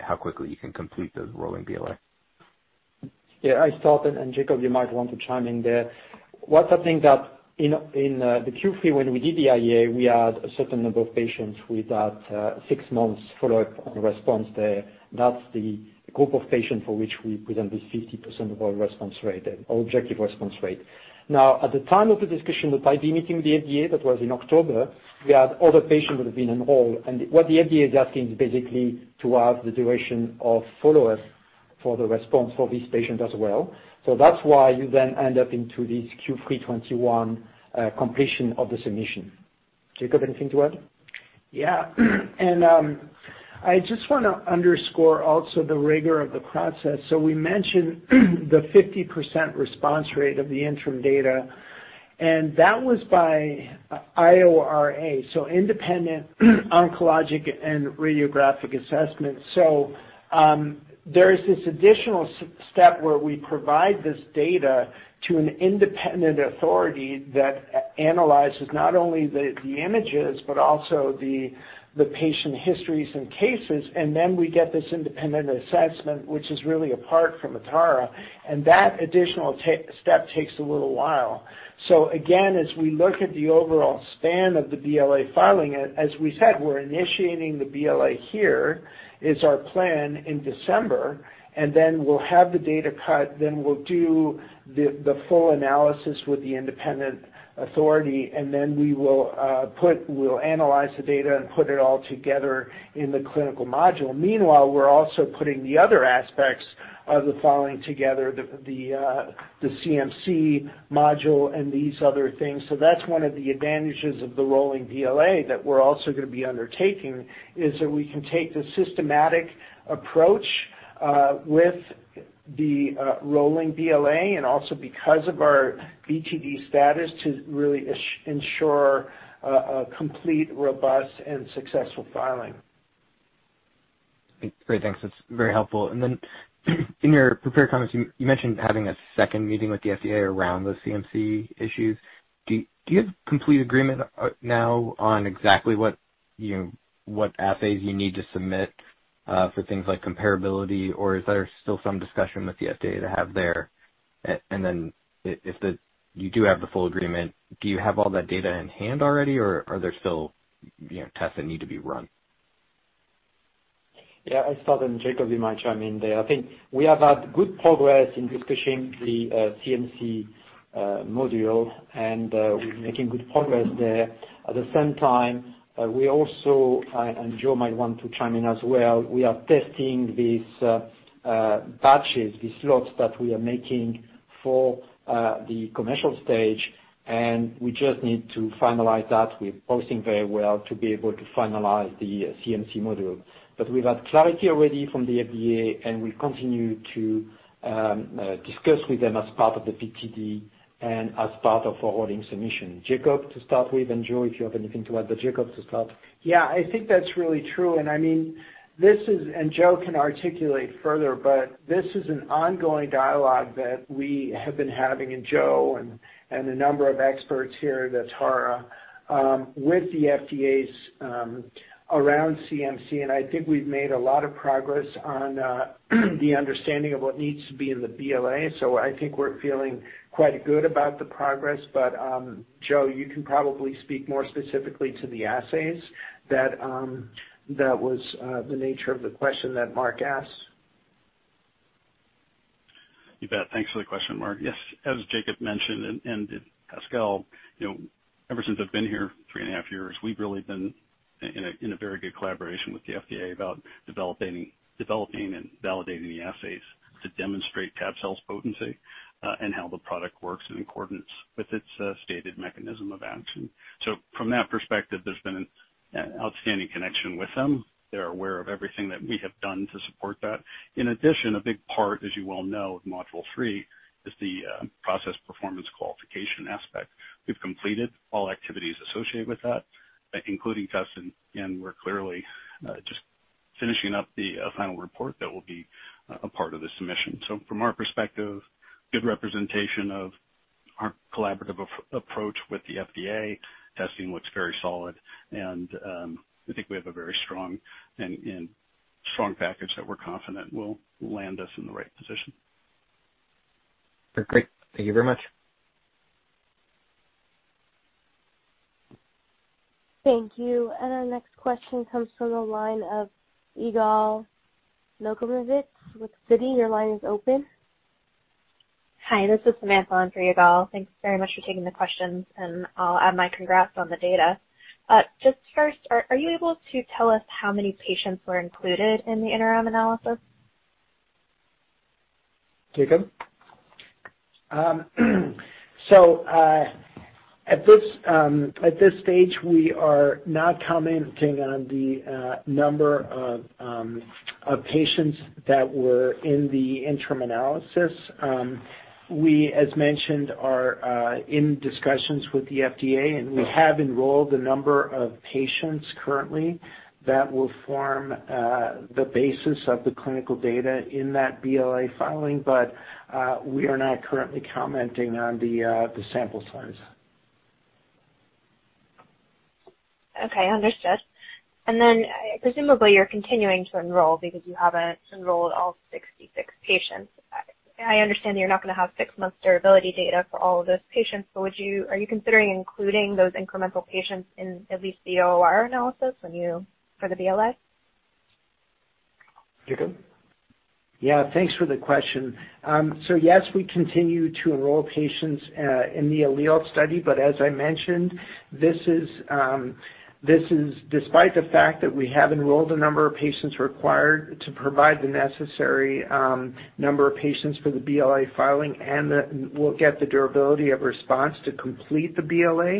[SPEAKER 11] how quickly you can complete the rolling BLA?
[SPEAKER 3] Yeah, I'll start and Jakob, you might want to chime in there. What I think that in the Q3 when we did the IA, we had a certain number of patients with that six months follow-up on response there. That's the group of patients for which we present this 50% of our response rate and our objective response rate. At the time of the discussion with ID meeting the FDA, that was in October, we had other patients that have been enrolled. What the FDA is asking is basically to have the duration of follow-up for the response for these patients as well. That's why you then end up into this Q3 2021 completion of the submission. Jakob, anything to add?
[SPEAKER 4] I just want to underscore also the rigor of the process. We mentioned the 50% response rate of the interim data, and that was by IORA, so independent oncologic and radiographic assessment. There is this additional step where we provide this data to an independent authority that analyzes not only the images but also the patient histories and cases, and then we get this independent assessment, which is really apart from Atara, and that additional step takes a little while. Again, as we look at the overall span of the BLA filing, as we said, we're initiating the BLA here, is our plan in December, and then we'll have the data cut, then we'll do the full analysis with the independent authority, and then we'll analyze the data and put it all together in the clinical module. Meanwhile, we're also putting the other aspects of the filing together, the CMC module and these other things. That's one of the advantages of the rolling BLA that we're also going to be undertaking, is that we can take the systematic approach with the rolling BLA and also because of our BTD status to really ensure a complete, robust and successful filing.
[SPEAKER 11] Great. Thanks. That's very helpful. In your prepared comments, you mentioned having a second meeting with the FDA around those CMC issues. Do you have complete agreement now on exactly what assays you need to submit for things like comparability? Or is there still some discussion with the FDA to have there? If you do have the full agreement, do you have all that data in hand already or are there still tests that need to be run?
[SPEAKER 3] I'll start, then Jakob, you might chime in there. I think we have had good progress in discussing the CMC module, and we're making good progress there. At the same time, we also, and Joe might want to chime in as well, we are testing these batches, these lots that we are making for the commercial stage, and we just need to finalize that. We're posting very well to be able to finalize the CMC module. We've had clarity already from the FDA, and we continue to discuss with them as part of the BTD and as part of our rolling submission. Jakob to start with, and Joe, if you have anything to add, but Jakob to start.
[SPEAKER 4] Yeah, I think that's really true. Joe can articulate further, but this is an ongoing dialogue that we have been having, and Joe and a number of experts here at Atara, with the FDA around CMC, and I think we've made a lot of progress on the understanding of what needs to be in the BLA. I think we're feeling quite good about the progress. Joe, you can probably speak more specifically to the assays. That was the nature of the question that Marc asked.
[SPEAKER 10] You bet. Thanks for the question, Marc. Yes, as Jakob mentioned, and Pascal, ever since I've been here three and a half years, we've really been in a very good collaboration with the FDA about developing and validating the assays to demonstrate tab-cel's potency, and how the product works in accordance with its stated mechanism of action. From that perspective, there's been an outstanding connection with them. They're aware of everything that we have done to support that. In addition, a big part, as you well know, of module three is the process performance qualification aspect. We've completed all activities associated with that, including tests, and we're clearly just finishing up the final report that will be a part of the submission. From our perspective, good representation of our collaborative approach with the FDA, testing looks very solid, and I think we have a very strong package that we're confident will land us in the right position.
[SPEAKER 11] Great. Thank you very much.
[SPEAKER 1] Thank you. Our next question comes from the line of Yigal Nochomovitz with Citi. Your line is open.
[SPEAKER 12] Hi, this is Samantha in for Yigal. Thanks very much for taking the questions, and I'll add my congrats on the data. Just first, are you able to tell us how many patients were included in the interim analysis?
[SPEAKER 3] Jakob?
[SPEAKER 4] At this stage, we are not commenting on the number of patients that were in the interim analysis. We, as mentioned, are in discussions with the FDA, and we have enrolled a number of patients currently that will form the basis of the clinical data in that BLA filing, but we are not currently commenting on the sample size.
[SPEAKER 12] Okay, understood. Presumably you're continuing to enroll because you haven't enrolled all 66 patients. I understand that you're not going to have six months durability data for all of those patients. Are you considering including those incremental patients in at least the ORR analysis for the BLA?
[SPEAKER 3] Jakob?
[SPEAKER 4] Yeah. Thanks for the question. Yes, we continue to enroll patients in the ALLELE study, as I mentioned, this is despite the fact that we have enrolled a number of patients required to provide the necessary number of patients for the BLA filing and that will get the durability of response to complete the BLA.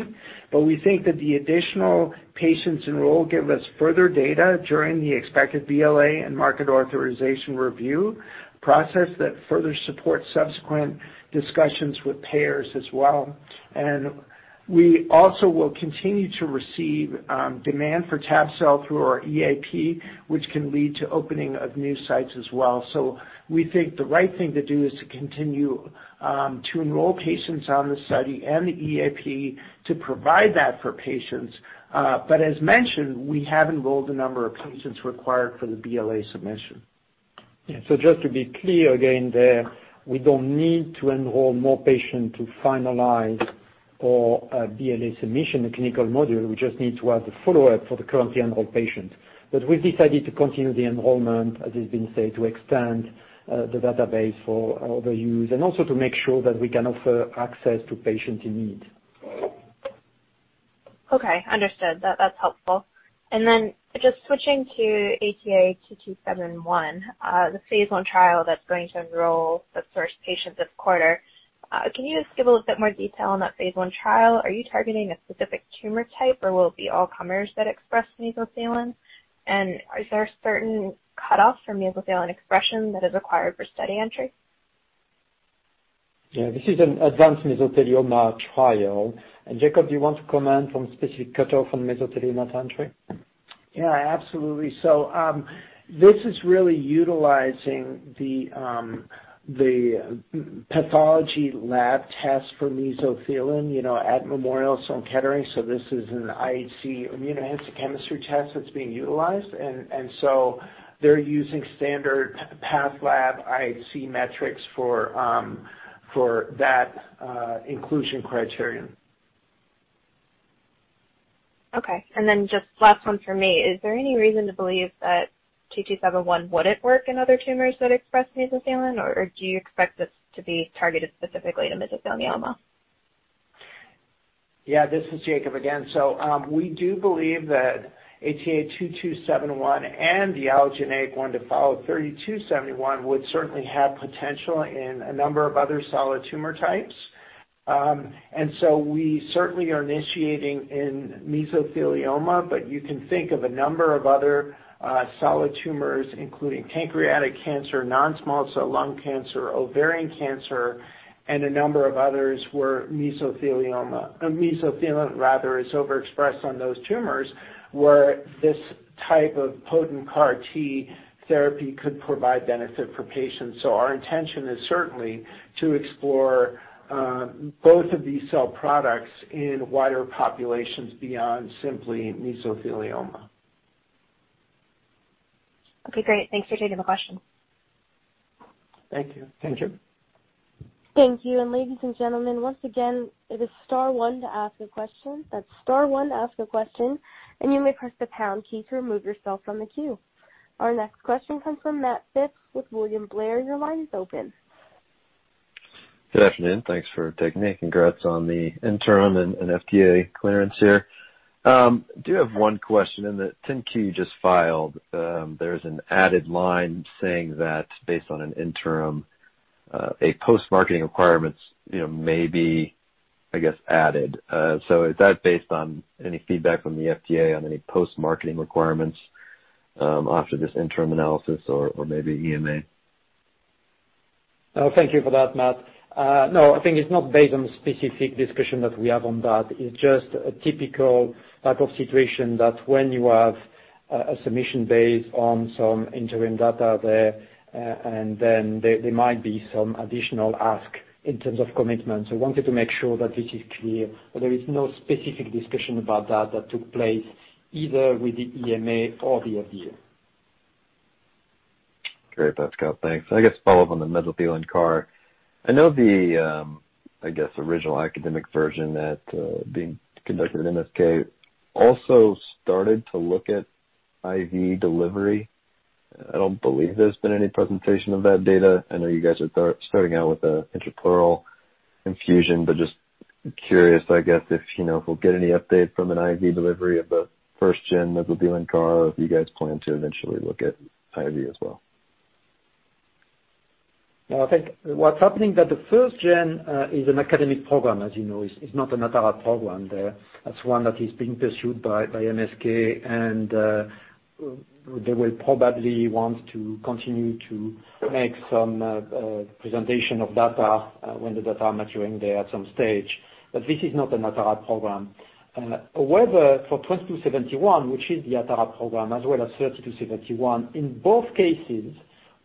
[SPEAKER 4] We think that the additional patients enrolled give us further data during the expected BLA and market authorization review process that further support subsequent discussions with payers as well. We also will continue to receive demand for tab-cel through our EAP, which can lead to opening of new sites as well. We think the right thing to do is to continue to enroll patients on the study and the EAP to provide that for patients. As mentioned, we have enrolled a number of patients required for the BLA submission.
[SPEAKER 3] Yeah. Just to be clear again there, we don't need to enroll more patients to finalize our BLA submission, the clinical module. We just need to have the follow-up for the currently enrolled patients. We've decided to continue the enrollment, as has been said, to extend the database for other use and also to make sure that we can offer access to patients in need.
[SPEAKER 12] Okay, understood. That's helpful. Just switching to ATA2271, the phase I trial that's going to enroll the first patient this quarter. Can you just give a little bit more detail on that phase I trial? Are you targeting a specific tumor type or will it be all comers that express mesothelin? Is there a certain cutoff for mesothelin expression that is required for study entry?
[SPEAKER 3] Yeah, this is an advanced mesothelioma trial. Jakob, do you want to comment from specific cutoff from mesothelioma entry?
[SPEAKER 4] Yeah, absolutely. This is really utilizing the pathology lab test for mesothelin at Memorial Sloan Kettering. This is an IHC, immunohistochemistry test that's being utilized. They're using standard path lab IHC metrics for that inclusion criterion.
[SPEAKER 12] Okay. Just last one from me. Is there any reason to believe that 2271 wouldn't work in other tumors that express mesothelin, or do you expect this to be targeted specifically to mesothelioma?
[SPEAKER 4] Yeah, this is Jakob again. We do believe that ATA2271 and the allogeneic one to follow 3271 would certainly have potential in a number of other solid tumor types. We certainly are initiating in mesothelioma, but you can think of a number of other solid tumors, including pancreatic cancer, non-small cell lung cancer, ovarian cancer, and a number of others where mesothelin is overexpressed on those tumors, where this type of potent CAR T therapy could provide benefit for patients. Our intention is certainly to explore both of these cell products in wider populations beyond simply mesothelioma.
[SPEAKER 12] Okay, great. Thanks for taking the question.
[SPEAKER 4] Thank you.
[SPEAKER 3] Thank you.
[SPEAKER 1] Thank you. Ladies and gentlemen, once again, it is star one to ask a question. That's star one to ask a question, and you may press the pound key to remove yourself from the queue. Our next question comes from Matt Phipps with William Blair. Your line is open.
[SPEAKER 13] Good afternoon. Thanks for taking it. Congrats on the interim and FDA clearance here. Do have one question. In the 10-Q you just filed, there's an added line saying that based on an interim, a post-marketing requirement may be added. Is that based on any feedback from the FDA on any post-marketing requirements after this interim analysis or maybe EMA?
[SPEAKER 3] Thank you for that, Matt. I think it's not based on specific discussion that we have on that. It's just a typical type of situation that when you have a submission based on some interim data there, and then there might be some additional ask in terms of commitment. I wanted to make sure that this is clear, but there is no specific discussion about that that took place either with the EMA or the FDA.
[SPEAKER 13] Great. That's helpful. Thanks. I guess follow-up on the mesothelin CAR. I know the original academic version that being conducted at MSK also started to look at IV delivery. I don't believe there's been any presentation of that data. I know you guys are starting out with an intrapleural infusion, but just curious if we'll get any update from an IV delivery of the first gen mesothelin CAR, if you guys plan to eventually look at IV as well.
[SPEAKER 3] I think what's happening that the first-gen is an academic program, as you know, it's not an Atara program there. That's one that is being pursued by MSK, and they will probably want to continue to make some presentation of data when the data are maturing there at some stage. This is not an Atara program. However, for 2271, which is the Atara program, as well as 3271, in both cases,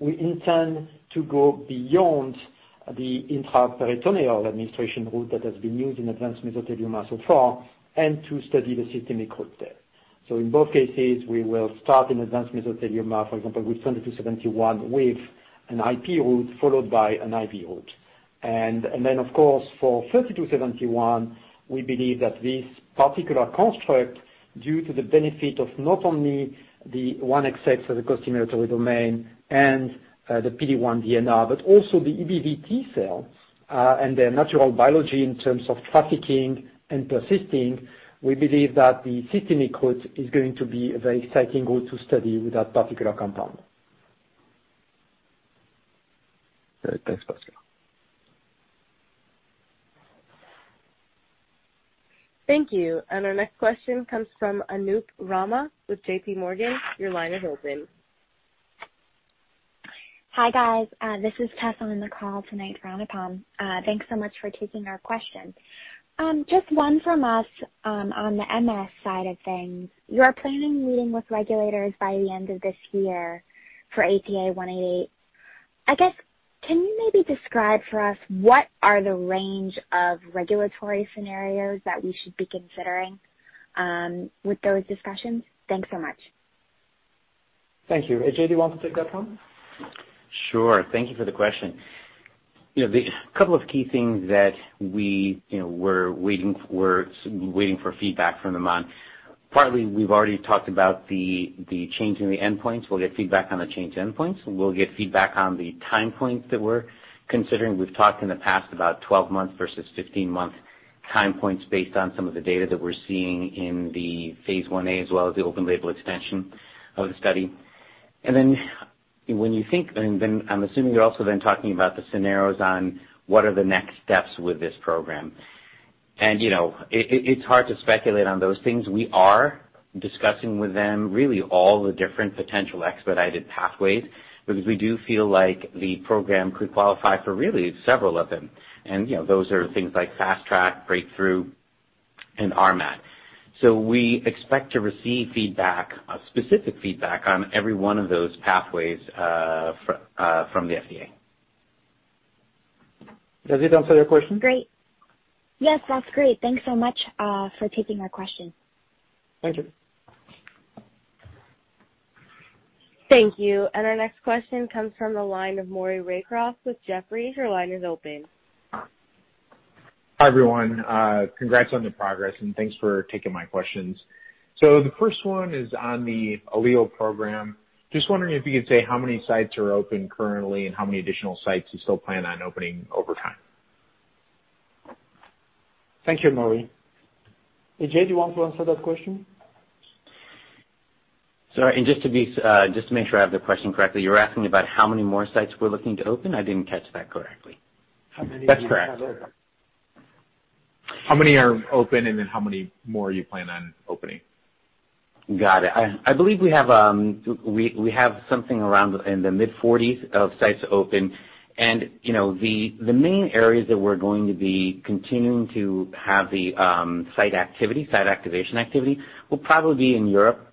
[SPEAKER 3] we intend to go beyond the intraperitoneal administration route that has been used in advanced mesothelioma so far and to study the systemic route there. In both cases, we will start in advanced mesothelioma, for example, with 2271 with an IP route followed by an IV route. Of course, for 3271, we believe that this particular construct, due to the benefit of not only the 1XX as a costimulatory domain and the PD-1 DNR, but also the EBV T-cell and their natural biology in terms of trafficking and persisting, we believe that the systemic route is going to be a very exciting route to study with that particular compound.
[SPEAKER 13] Great. Thanks, Pascal.
[SPEAKER 1] Thank you. Our next question comes from Anup Rama with JPMorgan. Your line is open.
[SPEAKER 14] Hi, guys. This is Tessa on the call tonight for Anupam. Thanks so much for taking our question. Just one from us on the MS side of things. You are planning meeting with regulators by the end of this year for ATA188. I guess, can you maybe describe for us what are the range of regulatory scenarios that we should be considering with those discussions? Thanks so much.
[SPEAKER 3] Thank you. AJ, do you want to take that one?
[SPEAKER 7] Sure. Thank you for the question. A couple of key things that we're waiting for feedback from them on. Partly, we've already talked about the change in the endpoints. We'll get feedback on the change to endpoints. We'll get feedback on the time points that we're considering. We've talked in the past about 12 months versus 15-month time points based on some of the data that we're seeing in the phase I-A, as well as the open-label extension of the study. Then I'm assuming you're also then talking about the scenarios on what are the next steps with this program. It's hard to speculate on those things. We are discussing with them really all the different potential expedited pathways because we do feel like the program could qualify for really several of them. Those are things like Fast Track, Breakthrough, and RMAT. We expect to receive feedback, specific feedback, on every one of those pathways from the FDA.
[SPEAKER 3] Does it answer your question?
[SPEAKER 14] Great. Yes, that's great. Thanks so much for taking our question.
[SPEAKER 3] Thank you.
[SPEAKER 1] Thank you. Our next question comes from the line of Maury Raycroft with Jefferies. Your line is open.
[SPEAKER 15] Hi, everyone. Congrats on the progress, and thanks for taking my questions. The first one is on the ALLELE program. Just wondering if you could say how many sites are open currently and how many additional sites you still plan on opening over time.
[SPEAKER 3] Thank you, Maury. AJ, do you want to answer that question?
[SPEAKER 7] Sorry. Just to make sure I have the question correctly, you're asking about how many more sites we're looking to open? I didn't catch that correctly.
[SPEAKER 15] How many-
[SPEAKER 7] That's correct.
[SPEAKER 15] How many are open, and then how many more you plan on opening?
[SPEAKER 7] Got it. I believe we have something around in the mid-40s of sites open. The main areas that we're going to be continuing to have the site activity, site activation activity, will probably be in Europe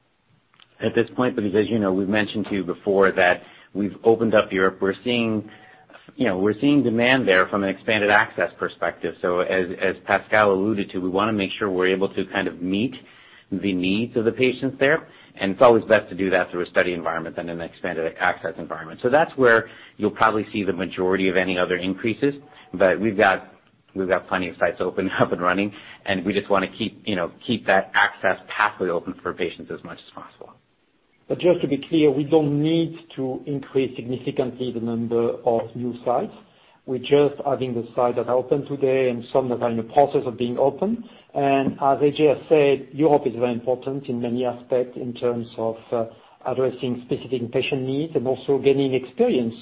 [SPEAKER 7] at this point, because as you know, we've mentioned to you before that we've opened up Europe. We're seeing demand there from an expanded access perspective. As Pascal alluded to, we want to make sure we're able to meet the needs of the patients there. It's always best to do that through a study environment than an expanded access environment. That's where you'll probably see the majority of any other increases. We've got plenty of sites open up and running, and we just want to keep that access pathway open for patients as much as possible.
[SPEAKER 3] Just to be clear, we don't need to increase significantly the number of new sites. We're just adding the sites that are open today and some that are in the process of being open. As AJ said, Europe is very important in many aspects in terms of addressing specific patient needs and also getting experience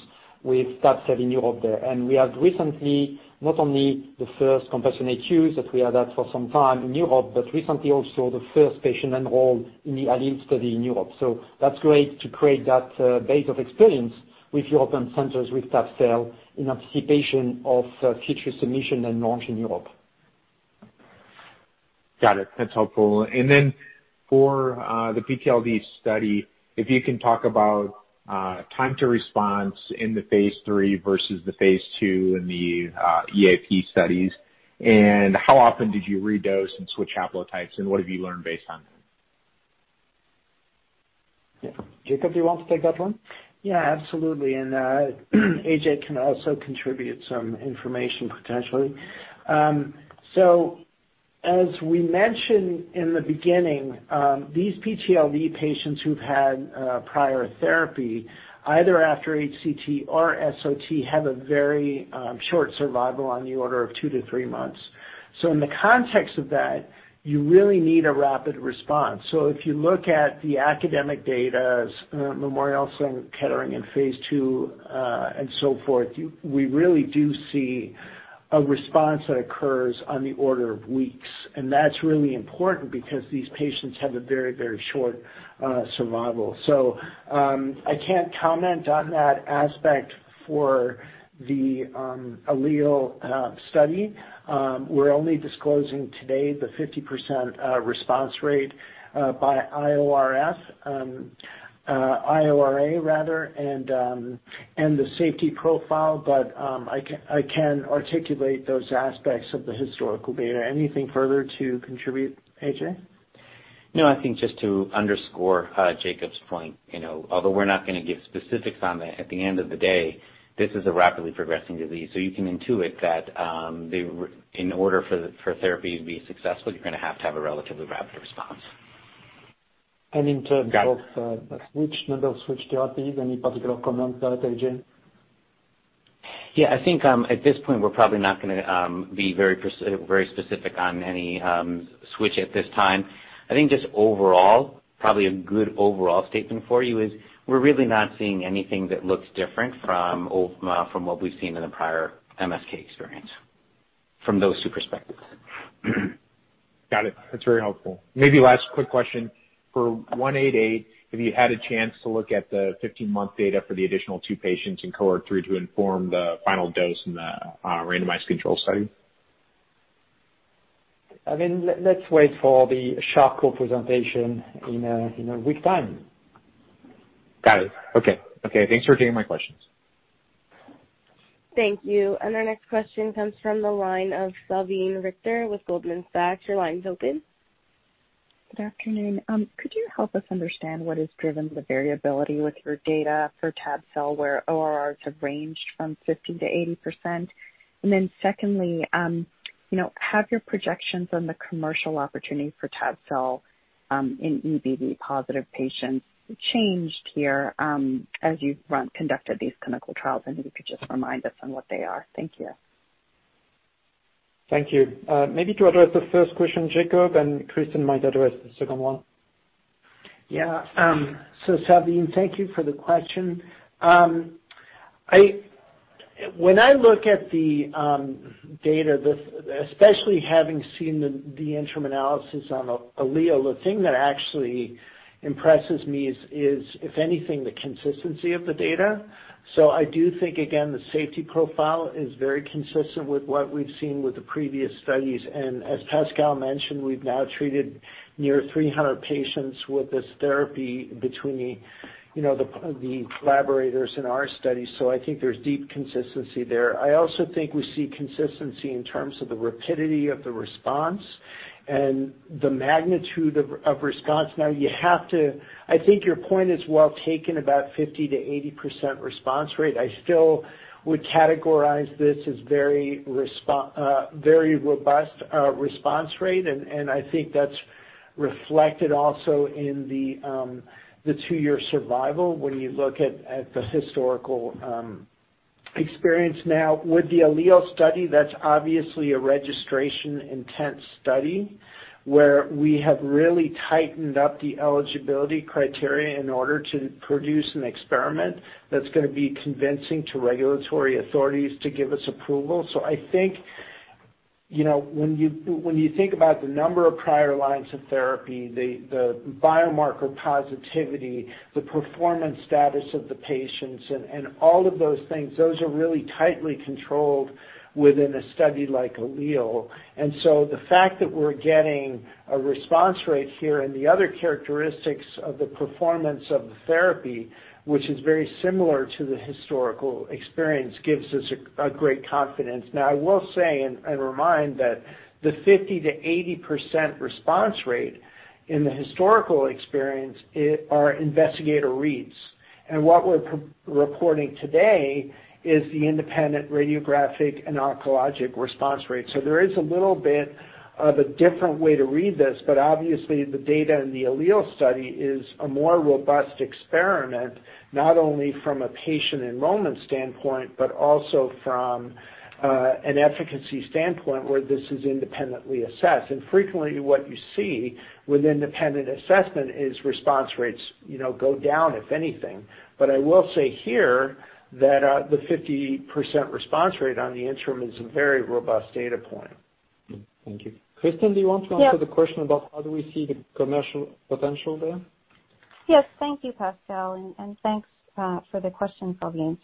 [SPEAKER 3] with that study in Europe there. We have recently, not only the first compassionate use that we had had for some time in Europe, but recently also the first patient enrolled in the ALLELE study in Europe. That's great to create that base of experience with European centers, with tab-cel in anticipation of future submission and launch in Europe.
[SPEAKER 15] Got it. That's helpful. For the PTLD study, if you can talk about time to response in the phase III versus the phase II in the EAP studies, and how often did you redose and switch haplotypes, and what have you learned based on that?
[SPEAKER 3] Jakob, do you want to take that one?
[SPEAKER 4] Yeah, absolutely. AJ can also contribute some information, potentially. As we mentioned in the beginning, these PTLD patients who've had prior therapy, either after HCT or SOT, have a very short survival on the order of two to three months. In the context of that, you really need a rapid response. If you look at the academic data, Memorial Sloan Kettering in phase II, and so forth, we really do see a response that occurs on the order of weeks. That's really important because these patients have a very, very short survival. I can't comment on that aspect for the ALLELE study. We're only disclosing today the 50% response rate by IORA rather, and the safety profile, but I can articulate those aspects of the historical data. Anything further to contribute, AJ?
[SPEAKER 7] No, I think just to underscore Jakob's point. Although we're not going to give specifics on that, at the end of the day, this is a rapidly progressing disease. You can intuit that in order for therapy to be successful, you're going to have to have a relatively rapid response.
[SPEAKER 3] And in terms of-
[SPEAKER 15] Got it.
[SPEAKER 3] which number of switch therapies, any particular comment there, AJ?
[SPEAKER 7] Yeah, I think at this point, we're probably not going to be very specific on any switch at this time. I think just overall, probably a good overall statement for you is we're really not seeing anything that looks different from what we've seen in the prior MSK experience, from those two perspectives.
[SPEAKER 15] Got it. That's very helpful. Maybe last quick question. For 188, have you had a chance to look at the 15-month data for the additional two patients in cohort 3 to inform the final dose in the randomized control study?
[SPEAKER 3] Let's wait for the Charcot presentation in a week time.
[SPEAKER 15] Got it. Okay. Thanks for taking my questions.
[SPEAKER 1] Thank you. Our next question comes from the line of Salveen Richter with Goldman Sachs. Your line's open.
[SPEAKER 16] Good afternoon. Could you help us understand what has driven the variability with your data for tab-cel, where ORRs have ranged from 50%-80%? Secondly, have your projections on the commercial opportunity for tab-cel in EBV positive patients changed here as you've conducted these clinical trials? If you could just remind us on what they are. Thank you.
[SPEAKER 3] Thank you. Maybe to address the first question, Jakob, and Kristin might address the second one.
[SPEAKER 4] Salveen, thank you for the question. When I look at the data, especially having seen the interim analysis on ALLELE, the thing that actually impresses me is, if anything, the consistency of the data. I do think, again, the safety profile is very consistent with what we've seen with the previous studies. As Pascal mentioned, we've now treated near 300 patients with this therapy between the collaborators in our study. I think there's deep consistency there. I also think we see consistency in terms of the rapidity of the response and the magnitude of response. Now, I think your point is well taken about 50%-80% response rate. I still would categorize this as very robust response rate, and I think that's reflected also in the two-year survival when you look at the historical experience. With the ALLELE study, that's obviously a registration-intent study, where we have really tightened up the eligibility criteria in order to produce an experiment that's going to be convincing to regulatory authorities to give us approval. I think when you think about the number of prior lines of therapy, the biomarker positivity, the performance status of the patients, and all of those things, those are really tightly controlled within a study like ALLELE. The fact that we're getting a response rate here and the other characteristics of the performance of the therapy, which is very similar to the historical experience, gives us a great confidence. I will say and remind that the 50%-80% response rate in the historical experience are investigator reads. What we're reporting today is the independent radiographic and oncologic response rate. There is a little bit of a different way to read this, obviously the data in the ALLELE study is a more robust experiment, not only from a patient enrollment standpoint, but also from an efficacy standpoint where this is independently assessed. Frequently what you see with independent assessment is response rates go down, if anything. I will say here that the 50% response rate on the interim is a very robust data point.
[SPEAKER 3] Thank you. Kristin, do you want to answer-
[SPEAKER 17] Yes.
[SPEAKER 3] the question about how do we see the commercial potential there?
[SPEAKER 17] Yes. Thank you, Pascal, and thanks for the question, Salveen.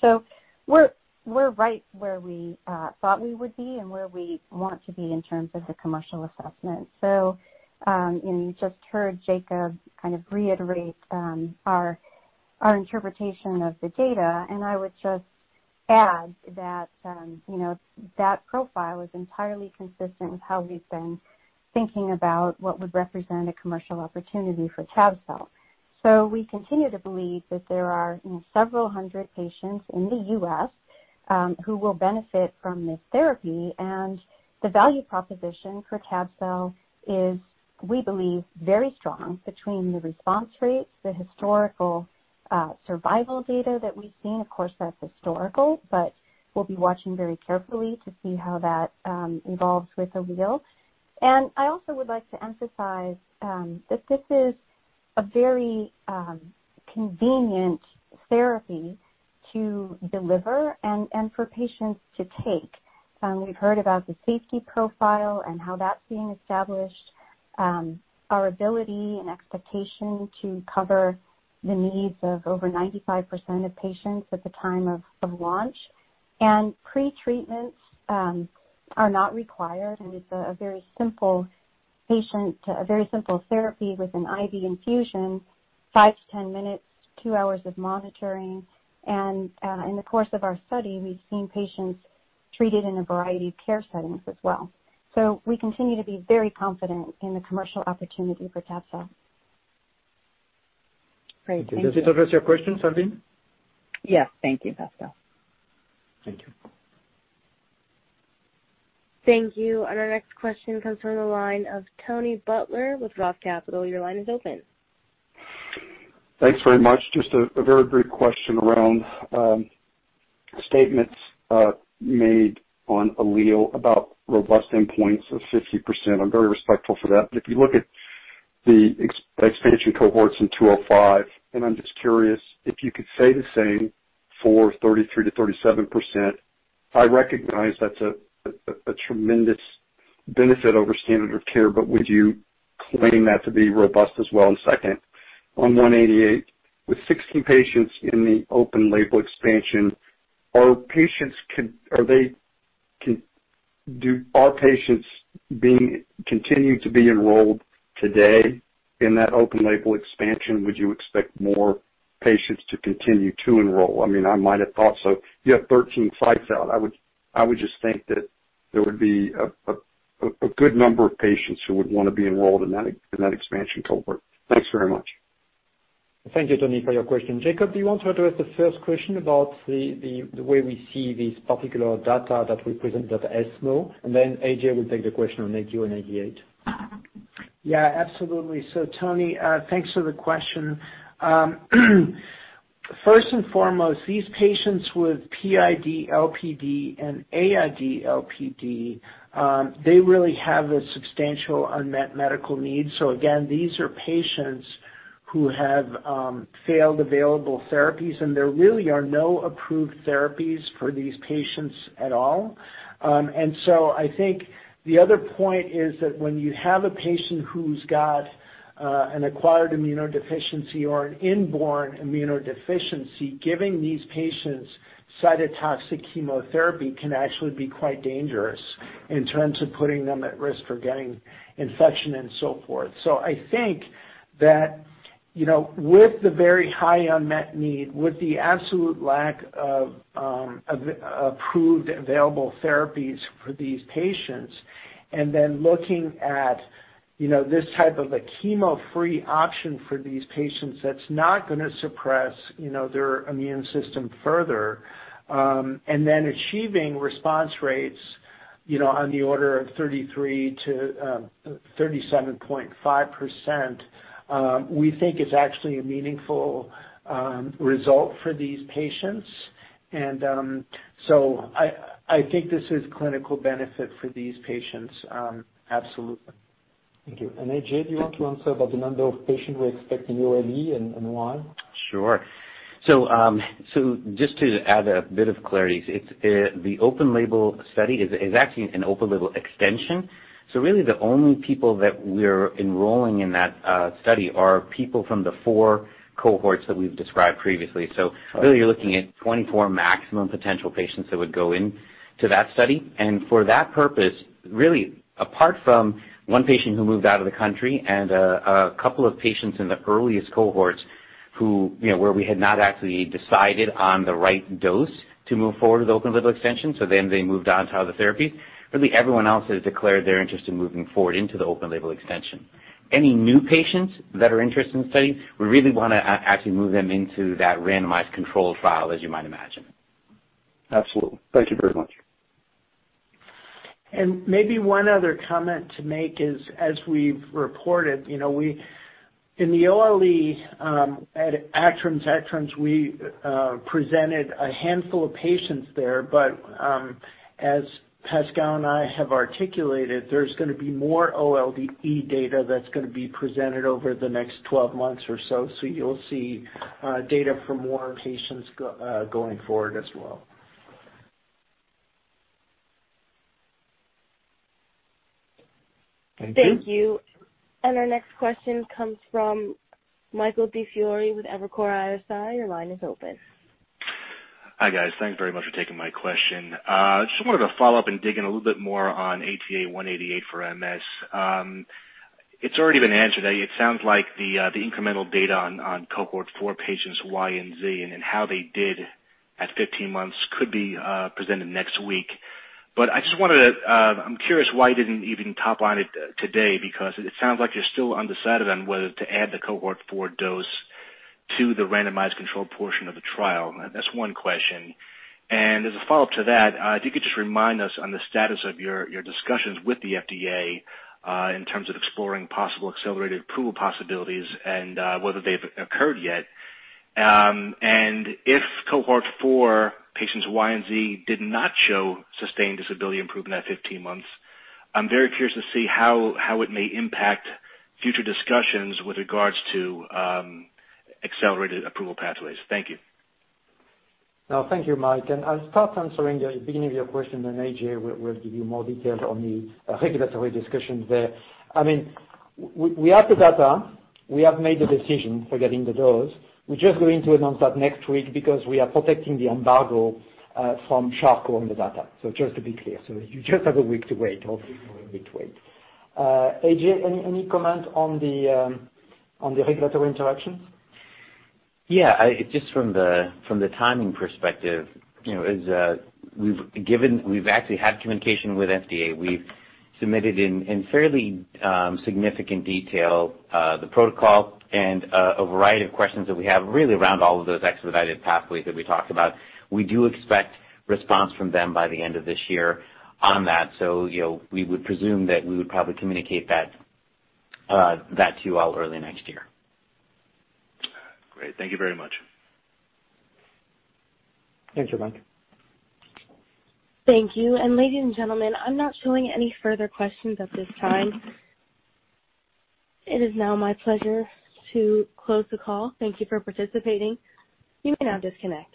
[SPEAKER 17] We're right where we thought we would be and where we want to be in terms of the commercial assessment. You just heard Jakob kind of reiterate our interpretation of the data, and I would just add that that profile is entirely consistent with how we've been thinking about what would represent a commercial opportunity for tab-cel. We continue to believe that there are several hundred patients in the U.S. who will benefit from this therapy, and the value proposition for tab-cel is, we believe, very strong between the response rates, the historical survival data that we've seen. Of course, that's historical, but we'll be watching very carefully to see how that evolves with ALLELE. I also would like to emphasize that this is a very convenient therapy to deliver and for patients to take. We've heard about the safety profile and how that's being established, our ability and expectation to cover the needs of over 95% of patients at the time of launch. Pretreatments are not required, and it's a very simple patient to a very simple therapy with an IV infusion, 5-10 minutes, two hours of monitoring. In the course of our study, we've seen patients treated in a variety of care settings as well. We continue to be very confident in the commercial opportunity for tab-cel.
[SPEAKER 16] Great. Thank you.
[SPEAKER 3] Does this address your question, Salveen?
[SPEAKER 16] Yes. Thank you, Pascal.
[SPEAKER 3] Thank you.
[SPEAKER 1] Thank you. Our next question comes from the line of Tony Butler with ROTH Capital. Your line is open.
[SPEAKER 18] Thanks very much. Just a very brief question around statements made on ALLELE about robust endpoints of 50%. I am very respectful for that. If you look at the expansion cohorts in 205, I am just curious if you could say the same for 33%-37%. I recognize that is a tremendous benefit over standard of care, would you claim that to be robust as well? Second, on 188, with 16 patients in the open-label extension, are patients being continued to be enrolled today in that open-label extension? Would you expect more patients to continue to enroll? I might have thought so. You have 13 sites out. I would just think that there would be a good number of patients who would want to be enrolled in that expansion cohort. Thanks very much.
[SPEAKER 3] Thank you, Tony, for your question. Jakob, do you want to address the first question about the way we see this particular data that we present at the ESMO, and then AJ will take the question on ATA188.
[SPEAKER 4] Yeah, absolutely. Tony, thanks for the question. First and foremost, these patients with PID-LPD and AID-LPD, really have a substantial unmet medical need. Again, these are patients who have failed available therapies, and there really are no approved therapies for these patients at all. I think the other point is that when you have a patient who's got an acquired immunodeficiency or an inborn immunodeficiency, giving these patients cytotoxic chemotherapy can actually be quite dangerous in terms of putting them at risk for getting infection and so forth. I think that, with the very high unmet need, with the absolute lack of approved available therapies for these patients, and then looking at this type of a chemo-free option for these patients that's not going to suppress their immune system further. Achieving response rates on the order of 33%-37.5%, we think is actually a meaningful result for these patients. I think this is clinical benefit for these patients. Absolutely.
[SPEAKER 3] Thank you. AJ, do you want to answer about the number of patients we expect in OLE and why?
[SPEAKER 7] Sure. Just to add a bit of clarity, the open-label study is actually an open-label extension. Really the only people that we're enrolling in that study are people from the four cohorts that we've described previously. Really you're looking at 24 maximum potential patients that would go into that study. And for that purpose, really apart from one patient who moved out of the country and a couple of patients in the earliest cohorts where we had not actually decided on the right dose to move forward with open-label extension, they moved on to other therapies. Really everyone else has declared their interest in moving forward into the open-label extension. Any new patients that are interested in the study, we really want to actually move them into that randomized controlled trial, as you might imagine.
[SPEAKER 18] Absolutely. Thank you very much.
[SPEAKER 4] Maybe one other comment to make is, as we've reported, in the OLE at ACTRIMS, we presented a handful of patients there. As Pascal and I have articulated, there's going to be more OLE data that's going to be presented over the next 12 months or so. You'll see data for more patients going forward as well.
[SPEAKER 3] Thank you.
[SPEAKER 1] Thank you. Our next question comes from Michael DiFiore with Evercore ISI. Your line is open.
[SPEAKER 19] Hi, guys. Thanks very much for taking my question. Wanted to follow-up and dig in a little bit more on ATA188 for MS. It's already been answered. It sounds like the incremental data on cohort four patients Y and Z and then how they did at 15 months could be presented next week. I'm curious why you didn't even topline it today, because it sounds like you're still undecided on whether to add the cohort four dose to the randomized controlled portion of the trial. That's one question. As a follow-up to that, if you could just remind us on the status of your discussions with the FDA, in terms of exploring possible accelerated approval possibilities and whether they've occurred yet. If cohort four patients Y and Z did not show sustained disability improvement at 15 months, I'm very curious to see how it may impact future discussions with regards to accelerated approval pathways. Thank you.
[SPEAKER 3] No, thank you, Mike. I'll start answering the beginning of your question, then AJ will give you more details on the regulatory discussions there. We have the data. We have made the decision for getting the dose. We're just going to announce that next week because we are protecting the embargo from Charcot on the data. Just to be clear. You just have a week to wait. AJ, any comment on the regulatory interactions?
[SPEAKER 7] Just from the timing perspective, we've actually had communication with FDA. We've submitted in fairly significant detail the protocol and a variety of questions that we have really around all of those expedited pathways that we talked about. We do expect response from them by the end of this year on that. We would presume that we would probably communicate that to you all early next year.
[SPEAKER 19] Great. Thank you very much.
[SPEAKER 3] Thank you, Mike.
[SPEAKER 1] Thank you. Ladies and gentlemen, I am not showing any further questions at this time. It is now my pleasure to close the call. Thank you for participating. You may now disconnect.